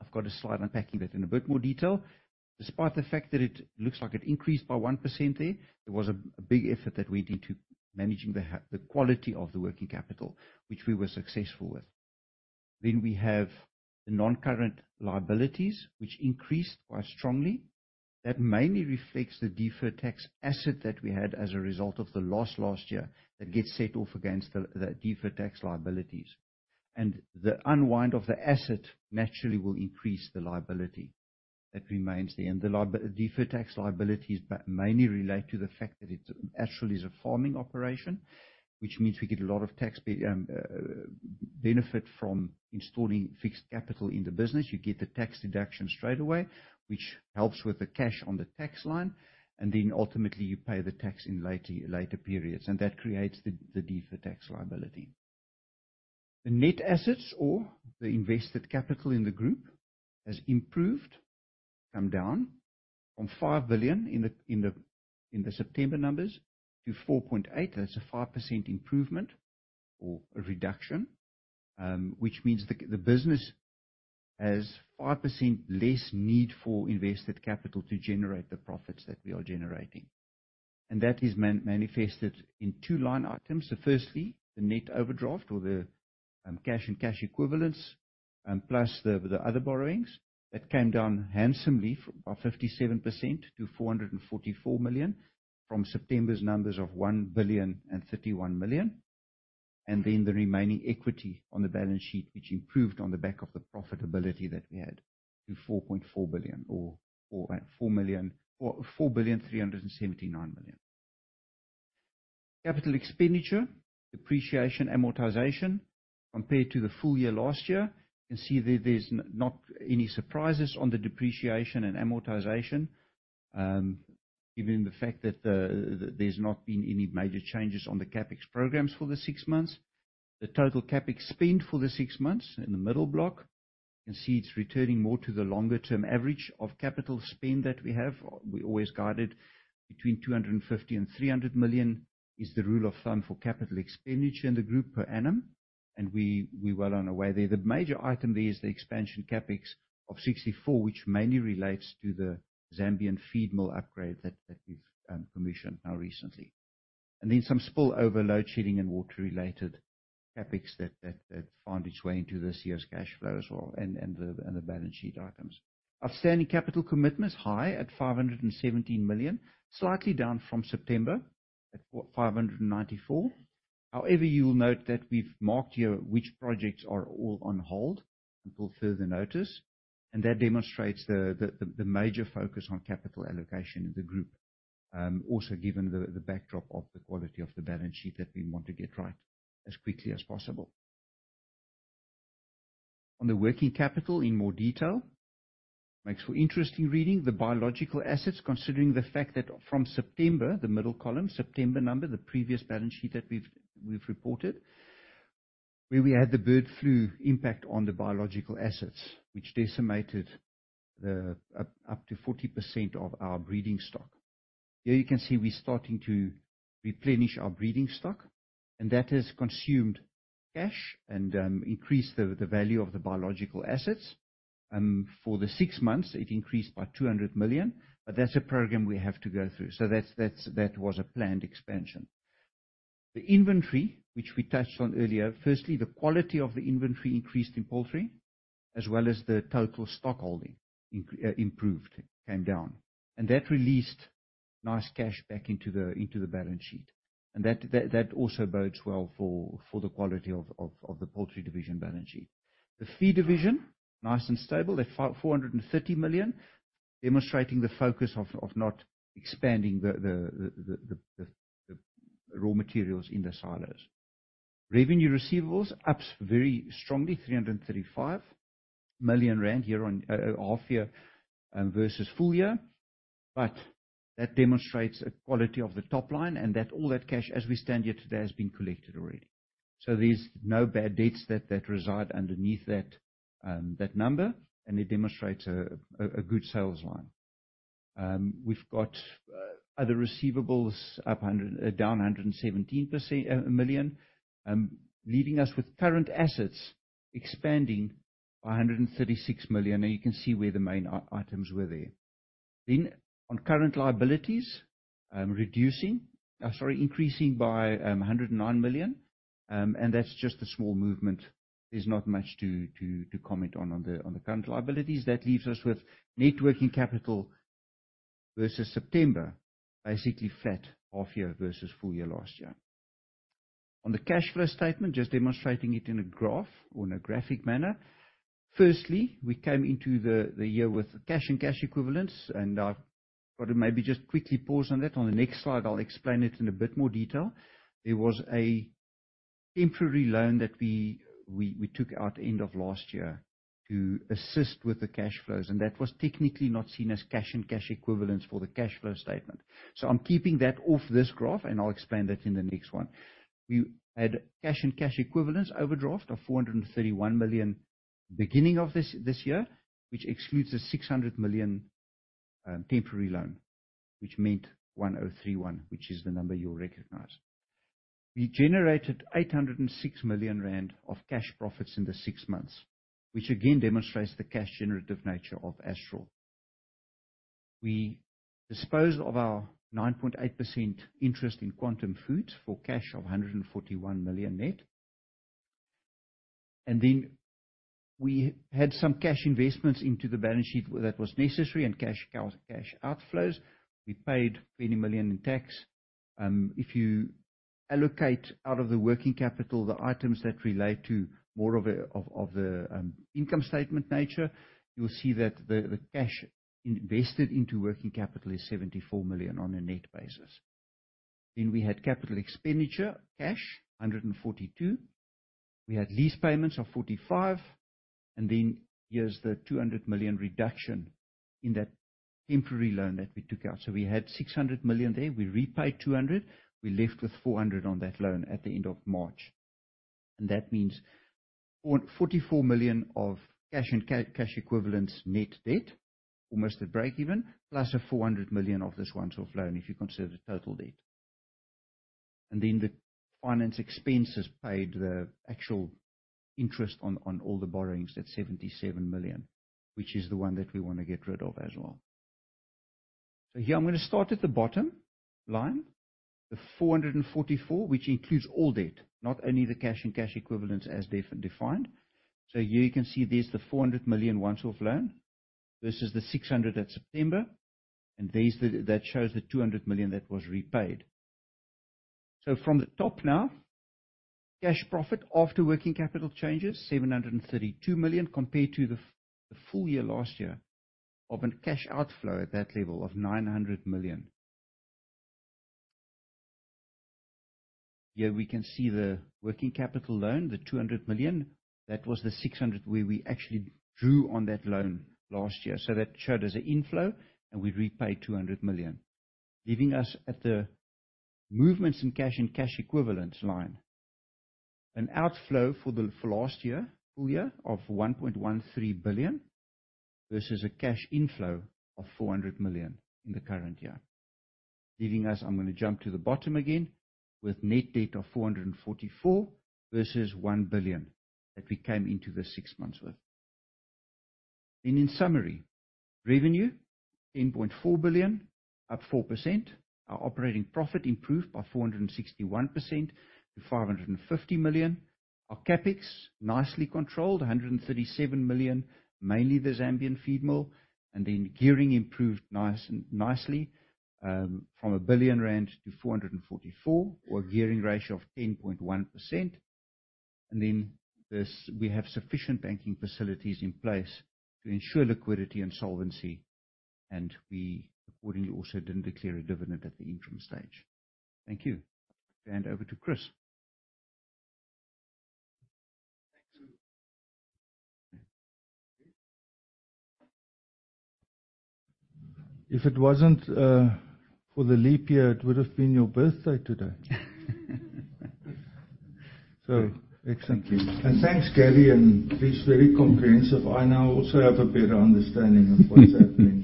I've got a slide unpacking that in a bit more detail. Despite the fact that it looks like it increased by 1% there, there was a big effort that went into managing the quality of the working capital, which we were successful with. Then we have the non-current liabilities, which increased quite strongly. That mainly reflects the deferred tax asset that we had as a result of the loss last year, that gets set off against the deferred tax liabilities. And the unwind of the asset naturally will increase the liability. That remains there. And the deferred tax liabilities mainly relate to the fact that it actually is a farming operation, which means we get a lot of tax benefit from installing fixed capital in the business. You get the tax deduction straight away, which helps with the cash on the tax line, and then ultimately, you pay the tax in later periods, and that creates the deferred tax liability. The net assets or the invested capital in the group has improved, come down from 5 billion in the September numbers to 4.8 billion. That's a 5% improvement or a reduction, which means the business has 5% less need for invested capital to generate the profits that we are generating. And that is manifested in two line items. So firstly, the net overdraft or the cash and cash equivalents plus the other borrowings. That came down handsomely by 57% to 444 million, from September's numbers of 1.031 billion. And then the remaining equity on the balance sheet, which improved on the back of the profitability that we had to 4.4 billion or, or 4 million... Or 4.379 billion. Capital expenditure, depreciation, amortization, compared to the full year last year, you can see that there's not any surprises on the depreciation and amortization, given the fact that, there's not been any major changes on the CapEx programs for the six months. The total CapEx spend for the six months in the middle block, you can see it's returning more to the longer-term average of capital spend that we have. We always guided between 250 million and 300 million, is the rule of thumb for capital expenditure in the group per annum, and we, we well on our way there. The major item there is the expansion CapEx of 64 million, which mainly relates to the Zambian feed mill upgrade that we've commissioned now, recently. And then some spillover load shedding and water-related CapEx that found its way into this year's cash flow as well, and the balance sheet items. Outstanding capital commitment is high at 517 million, slightly down from September at 594 million. However, you'll note that we've marked here which projects are all on hold until further notice, and that demonstrates the major focus on capital allocation in the group. Also given the backdrop of the quality of the balance sheet that we want to get right as quickly as possible. On the working capital in more detail, makes for interesting reading. The biological assets, considering the fact that from September, the middle column, September number, the previous balance sheet that we've reported, where we had the bird flu impact on the biological assets, which decimated up to 40% of our breeding stock. Here you can see we're starting to replenish our breeding stock, and that has consumed cash and increased the value of the biological assets. For the six months, it increased by 200 million, but that's a program we have to go through. So that's that was a planned expansion. The inventory, which we touched on earlier, firstly, the quality of the inventory increased in poultry, as well as the total stock holding improved, came down, and that released nice cash back into the balance sheet. And that also bodes well for the quality of the poultry division balance sheet. The feed division, nice and stable, at 430 million, demonstrating the focus of not expanding the raw materials in the silos. Revenue receivables, ups very strongly, 335 million rand here on half year versus full year. But that demonstrates a quality of the top line, and that all that cash, as we stand here today, has been collected already. So there's no bad debts that reside underneath that number, and it demonstrates a good sales line. We've got other receivables up 100... down 117 million, leaving us with current assets expanding by 136 million, and you can see where the main items were there. Then on current liabilities, reducing, sorry, increasing by 109 million, and that's just a small movement. There's not much to comment on the current liabilities. That leaves us with net working capital versus September, basically flat, half year versus full year last year. On the cash flow statement, just demonstrating it in a graph or in a graphic manner. Firstly, we came into the year with cash and cash equivalents, and I've got to maybe just quickly pause on that. On the next slide, I'll explain it in a bit more detail. There was a temporary loan that we took out end of last year to assist with the cash flows, and that was technically not seen as cash and cash equivalents for the cash flow statement. So I'm keeping that off this graph, and I'll explain that in the next one. We had cash and cash equivalents overdraft of 431 million beginning of this year, which excludes the 600 million temporary loan, which meant 1.031 billion, which is the number you'll recognize. We generated 806 million rand of cash profits in the six months, which again demonstrates the cash generative nature of Astral. We disposed of our 9.8% interest in Quantum Foods for cash of 141 million net. We had some cash investments into the balance sheet that was necessary, and cash out, cash outflows. We paid 20 million in tax. If you allocate out of the working capital, the items that relate to more of a, of the income statement nature, you'll see that the cash invested into working capital is 74 million on a net basis. We had capital expenditure cash, 142 million. We had lease payments of 45 million, and then here's the 200 million reduction in that temporary loan that we took out. So we had 600 million there, we repaid 200 million, we left with 400 million on that loan at the end of March, and that means 44 million of cash and cash equivalents net debt, almost at breakeven, +400 million of this once-off loan, if you consider the total debt. And then the finance expenses paid, the actual interest on all the borrowings, that's 77 million, which is the one that we wanna get rid of as well. So here I'm gonna start at the bottom line, the 444, which includes all debt, not only the cash and cash equivalents, as defined. So here you can see there's the 400 million once-off loan versus the 600 million at September, and there's the... That shows the 200 million that was repaid. So from the top now, cash profit after working capital changes, 732 million, compared to the full year last year, of a cash outflow at that level of 900 million. Here we can see the working capital loan, the 200 million. That was the 600 million, where we actually drew on that loan last year. So that showed as an inflow, and we repaid 200 million, leaving us at the movements in cash and cash equivalents line. An outflow for the last year, full year, of 1.13 billion, versus a cash inflow of 400 million in the current year. Leaving us, I'm gonna jump to the bottom again, with net debt of 444 million versus 1 billion that we came into the six months with. And in summary, revenue, 10.4 billion, up 4%. Our operating profit improved by 461% to 550 million. Our CapEx, nicely controlled, 137 million, mainly the Zambian feed mill. And then gearing improved nicely from 1 billion-444 million rand, or a gearing ratio of 10.1%. And then we have sufficient banking facilities in place to ensure liquidity and solvency, and we accordingly also didn't declare a dividend at the interim stage. Thank you. Hand over to Chris. If it wasn't for the leap year, it would have been your birthday today. So excellent news. And thanks, Gary, and he's very comprehensive. I now also have a better understanding of what's happening.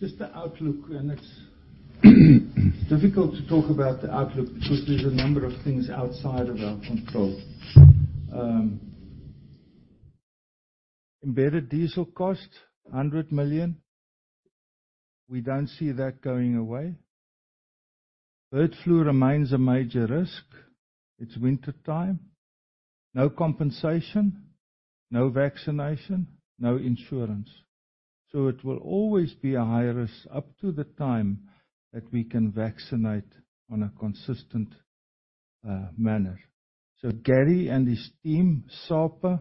Just the outlook, and it's difficult to talk about the outlook because there's a number of things outside of our control. Embedded diesel cost, 100 million. We don't see that going away. Bird flu remains a major risk. It's wintertime, no compensation, no vaccination, no insurance. So it will always be a high risk up to the time that we can vaccinate on a consistent manner. So Gary and his team, SAPA,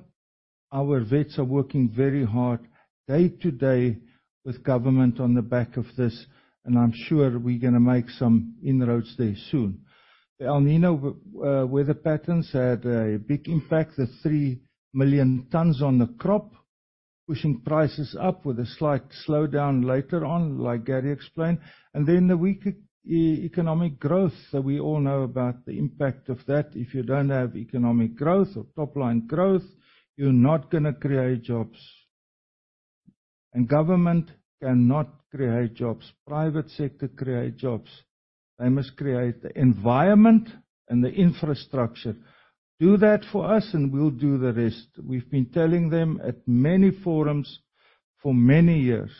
our vets are working very hard day to day with government on the back of this, and I'm sure we're gonna make some inroads there soon. The El Niño weather patterns had a big impact, the 3 million tons on the crop, pushing prices up with a slight slowdown later on, like Gary explained, and then the weaker economic growth. So we all know about the impact of that. If you don't have economic growth or top-line growth, you're not gonna create jobs. And government cannot create jobs. Private sector create jobs. They must create the environment and the infrastructure. Do that for us, and we'll do the rest. We've been telling them at many forums for many years,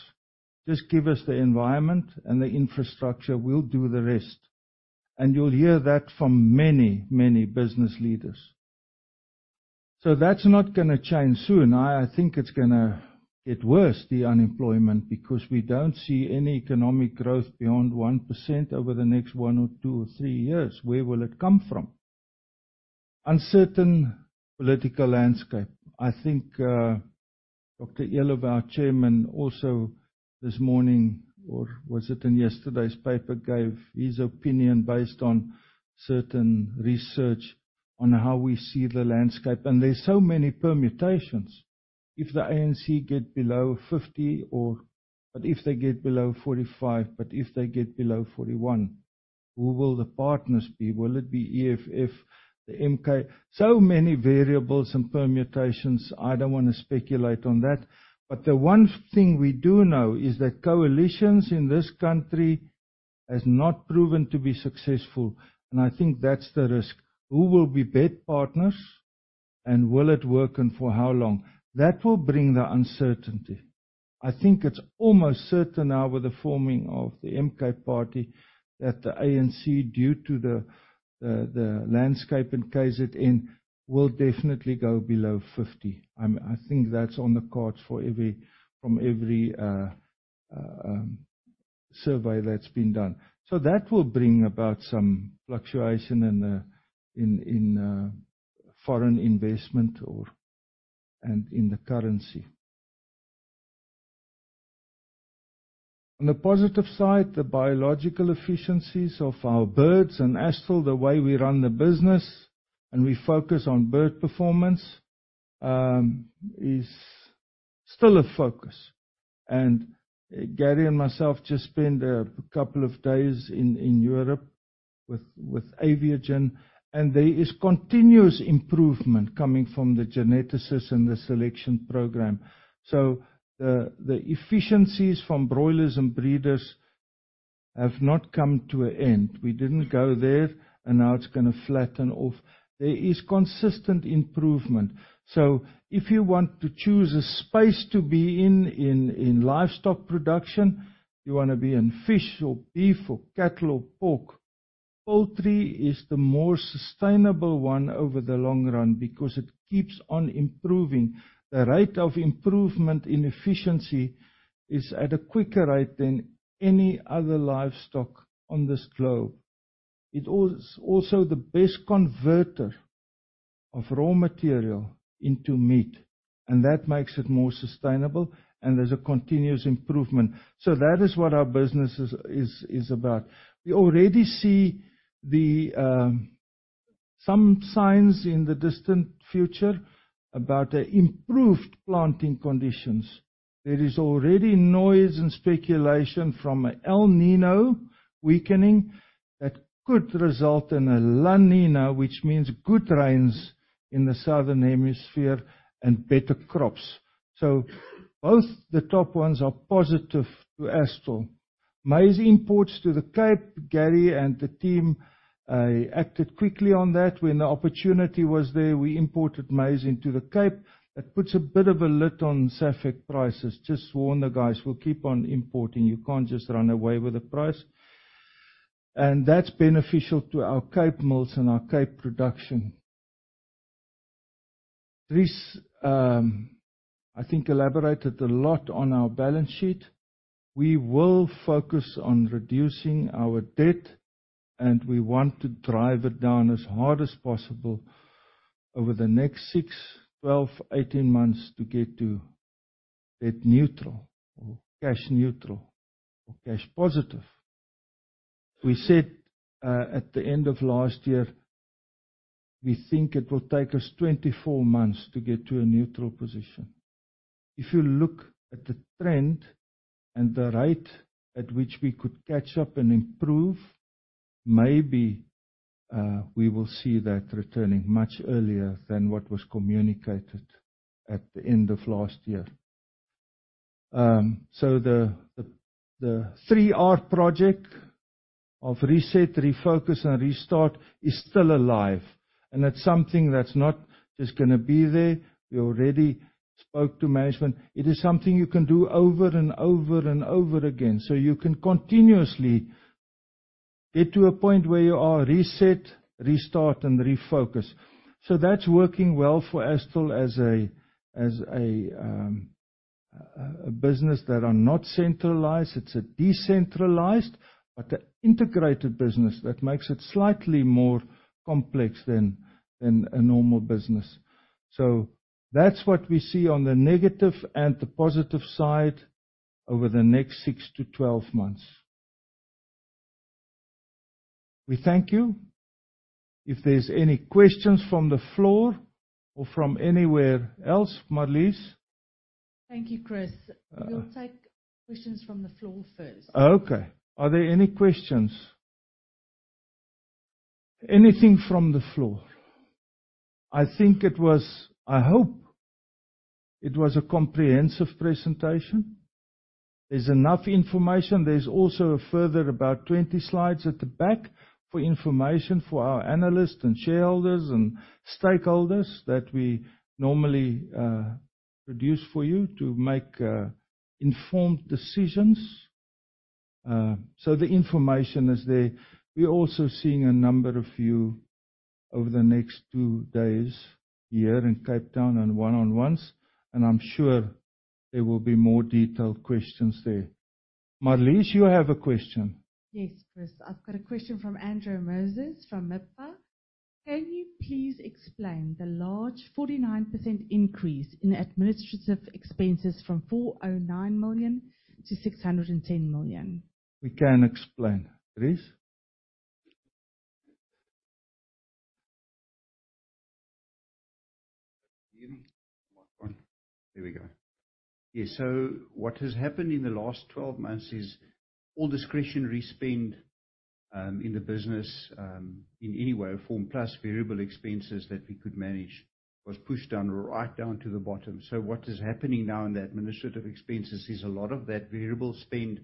"Just give us the environment and the infrastructure, we'll do the rest." And you'll hear that from many, many business leaders. So that's not gonna change soon. I, I think it's gonna get worse, the unemployment, because we don't see any economic growth beyond 1% over the next 1 or 2 or 3 years. Where will it come from? Uncertain political landscape. I think Dr. Eloff, our Chairman, also this morning, or was it in yesterday's paper, gave his opinion based on certain research on how we see the landscape. And there's so many permutations. If the ANC get below 50 or—but if they get below 45, but if they get below 41, who will the partners be? Will it be EFF, the MK? So many variables and permutations, I don't wanna speculate on that. But the one thing we do know is that coalitions in this country has not proven to be successful, and I think that's the risk. Who will be bed partners, and will it work, and for how long? That will bring the uncertainty. I think it's almost certain now, with the forming of the MK Party, that the ANC, due to the landscape in KZN, will definitely go below 50. I think that's on the cards from every survey that's been done. So that will bring about some fluctuation in foreign investment or and in the currency. On the positive side, the biological efficiencies of our birds and Astral, the way we run the business, and we focus on bird performance, is still a focus. And Gary and myself just spent a couple of days in Europe with Aviagen, and there is continuous improvement coming from the geneticists and the selection program. So the efficiencies from broilers and breeders have not come to an end. We didn't go there, and now it's gonna flatten off. There is consistent improvement. So if you want to choose a space to be in in livestock production, you wanna be in fish or beef or cattle or pork. Poultry is the more sustainable one over the long run because it keeps on improving. The rate of improvement in efficiency is at a quicker rate than any other livestock on this globe. It also it's also the best converter of raw material into meat, and that makes it more sustainable, and there's a continuous improvement. So that is what our business is about. We already see the some signs in the distant future about improved planting conditions. There is already noise and speculation from a El Niño weakening that could result in a La Niña, which means good rains in the Southern Hemisphere and better crops. So both the top ones are positive to Astral. Maize imports to the Cape, Gary and the team acted quickly on that. When the opportunity was there, we imported maize into the Cape. That puts a bit of a lid on SAFEX prices. Just warn the guys, we'll keep on importing. You can't just run away with the price. And that's beneficial to our Cape mills and our Cape production. Dries, I think, elaborated a lot on our balance sheet. We will focus on reducing our debt, and we want to drive it down as hard as possible over the next 6, 12, 18 months to get to debt neutral or cash neutral or cash positive. We said at the end of last year, we think it will take us 24 months to get to a neutral position. If you look at the trend and the rate at which we could catch up and improve, maybe we will see that returning much earlier than what was communicated at the end of last year. So the 3R project of reset, refocus, and restart is still alive, and that's something that's not just gonna be there. We already spoke to management. It is something you can do over and over and over again, so you can continuously get to a point where you are reset, restart, and refocus. So that's working well for Astral as a business that are not centralized. It's a decentralized, but an integrated business. That makes it slightly more complex than a normal business. So that's what we see on the negative and the positive side over the next 6-12 months. We thank you. If there's any questions from the floor or from anywhere else, Marlize? Thank you, Chris. Uh- We'll take questions from the floor first. Okay. Are there any questions? Anything from the floor? I think it was... I hope it was a comprehensive presentation. There's enough information. There's also a further about 20 slides at the back for information for our analysts and shareholders and stakeholders that we normally produce for you to make informed decisions. So the information is there. We're also seeing a number of you over the next two days here in Cape Town on one-on-ones, and I'm sure there will be more detailed questions there. Marlize, you have a question? Yes, Chris. I've got a question from Andrew Moses, from MIBFA. Can you please explain the large 49% increase in administrative expenses from 409 million-610 million? We can explain. Dries? Here we go. Yeah, so what has happened in the last 12 months is all discretionary spend in the business in any way or form, plus variable expenses that we could manage, was pushed down, right down to the bottom. So what is happening now in the administrative expenses is a lot of that variable spend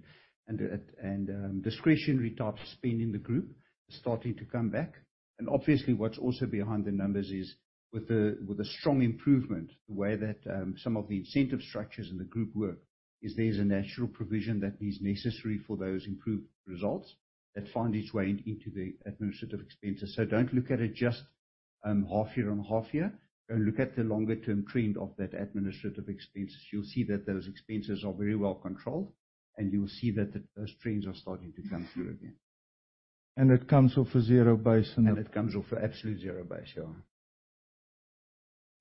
and discretionary type spend in the group is starting to come back. And obviously, what's also behind the numbers is, with a strong improvement, the way that some of the incentive structures in the group work, is there's a natural provision that is necessary for those improved results that find its way into the administrative expenses. So don't look at it just half year on half year, go look at the longer-term trend of that administrative expenses. You'll see that those expenses are very well controlled, and you will see that those trends are starting to come through again. It comes off a zero base, and- It comes off an absolute zero base, yeah.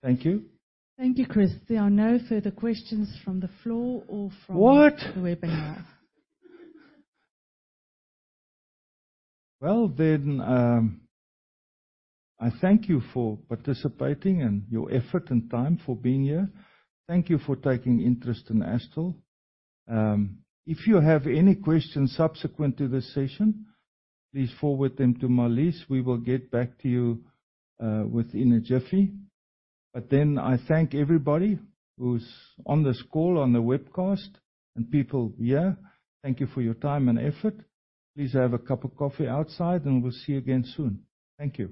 Thank you. Thank you, Chris. There are no further questions from the floor or from- What? -the webinar. Well, then, I thank you for participating and your effort and time for being here. Thank you for taking interest in Astral. If you have any questions subsequent to this session, please forward them to Marlize. We will get back to you within a jiffy. But then I thank everybody who's on this call, on the webcast, and people here. Thank you for your time and effort. Please have a cup of coffee outside, and we'll see you again soon. Thank you.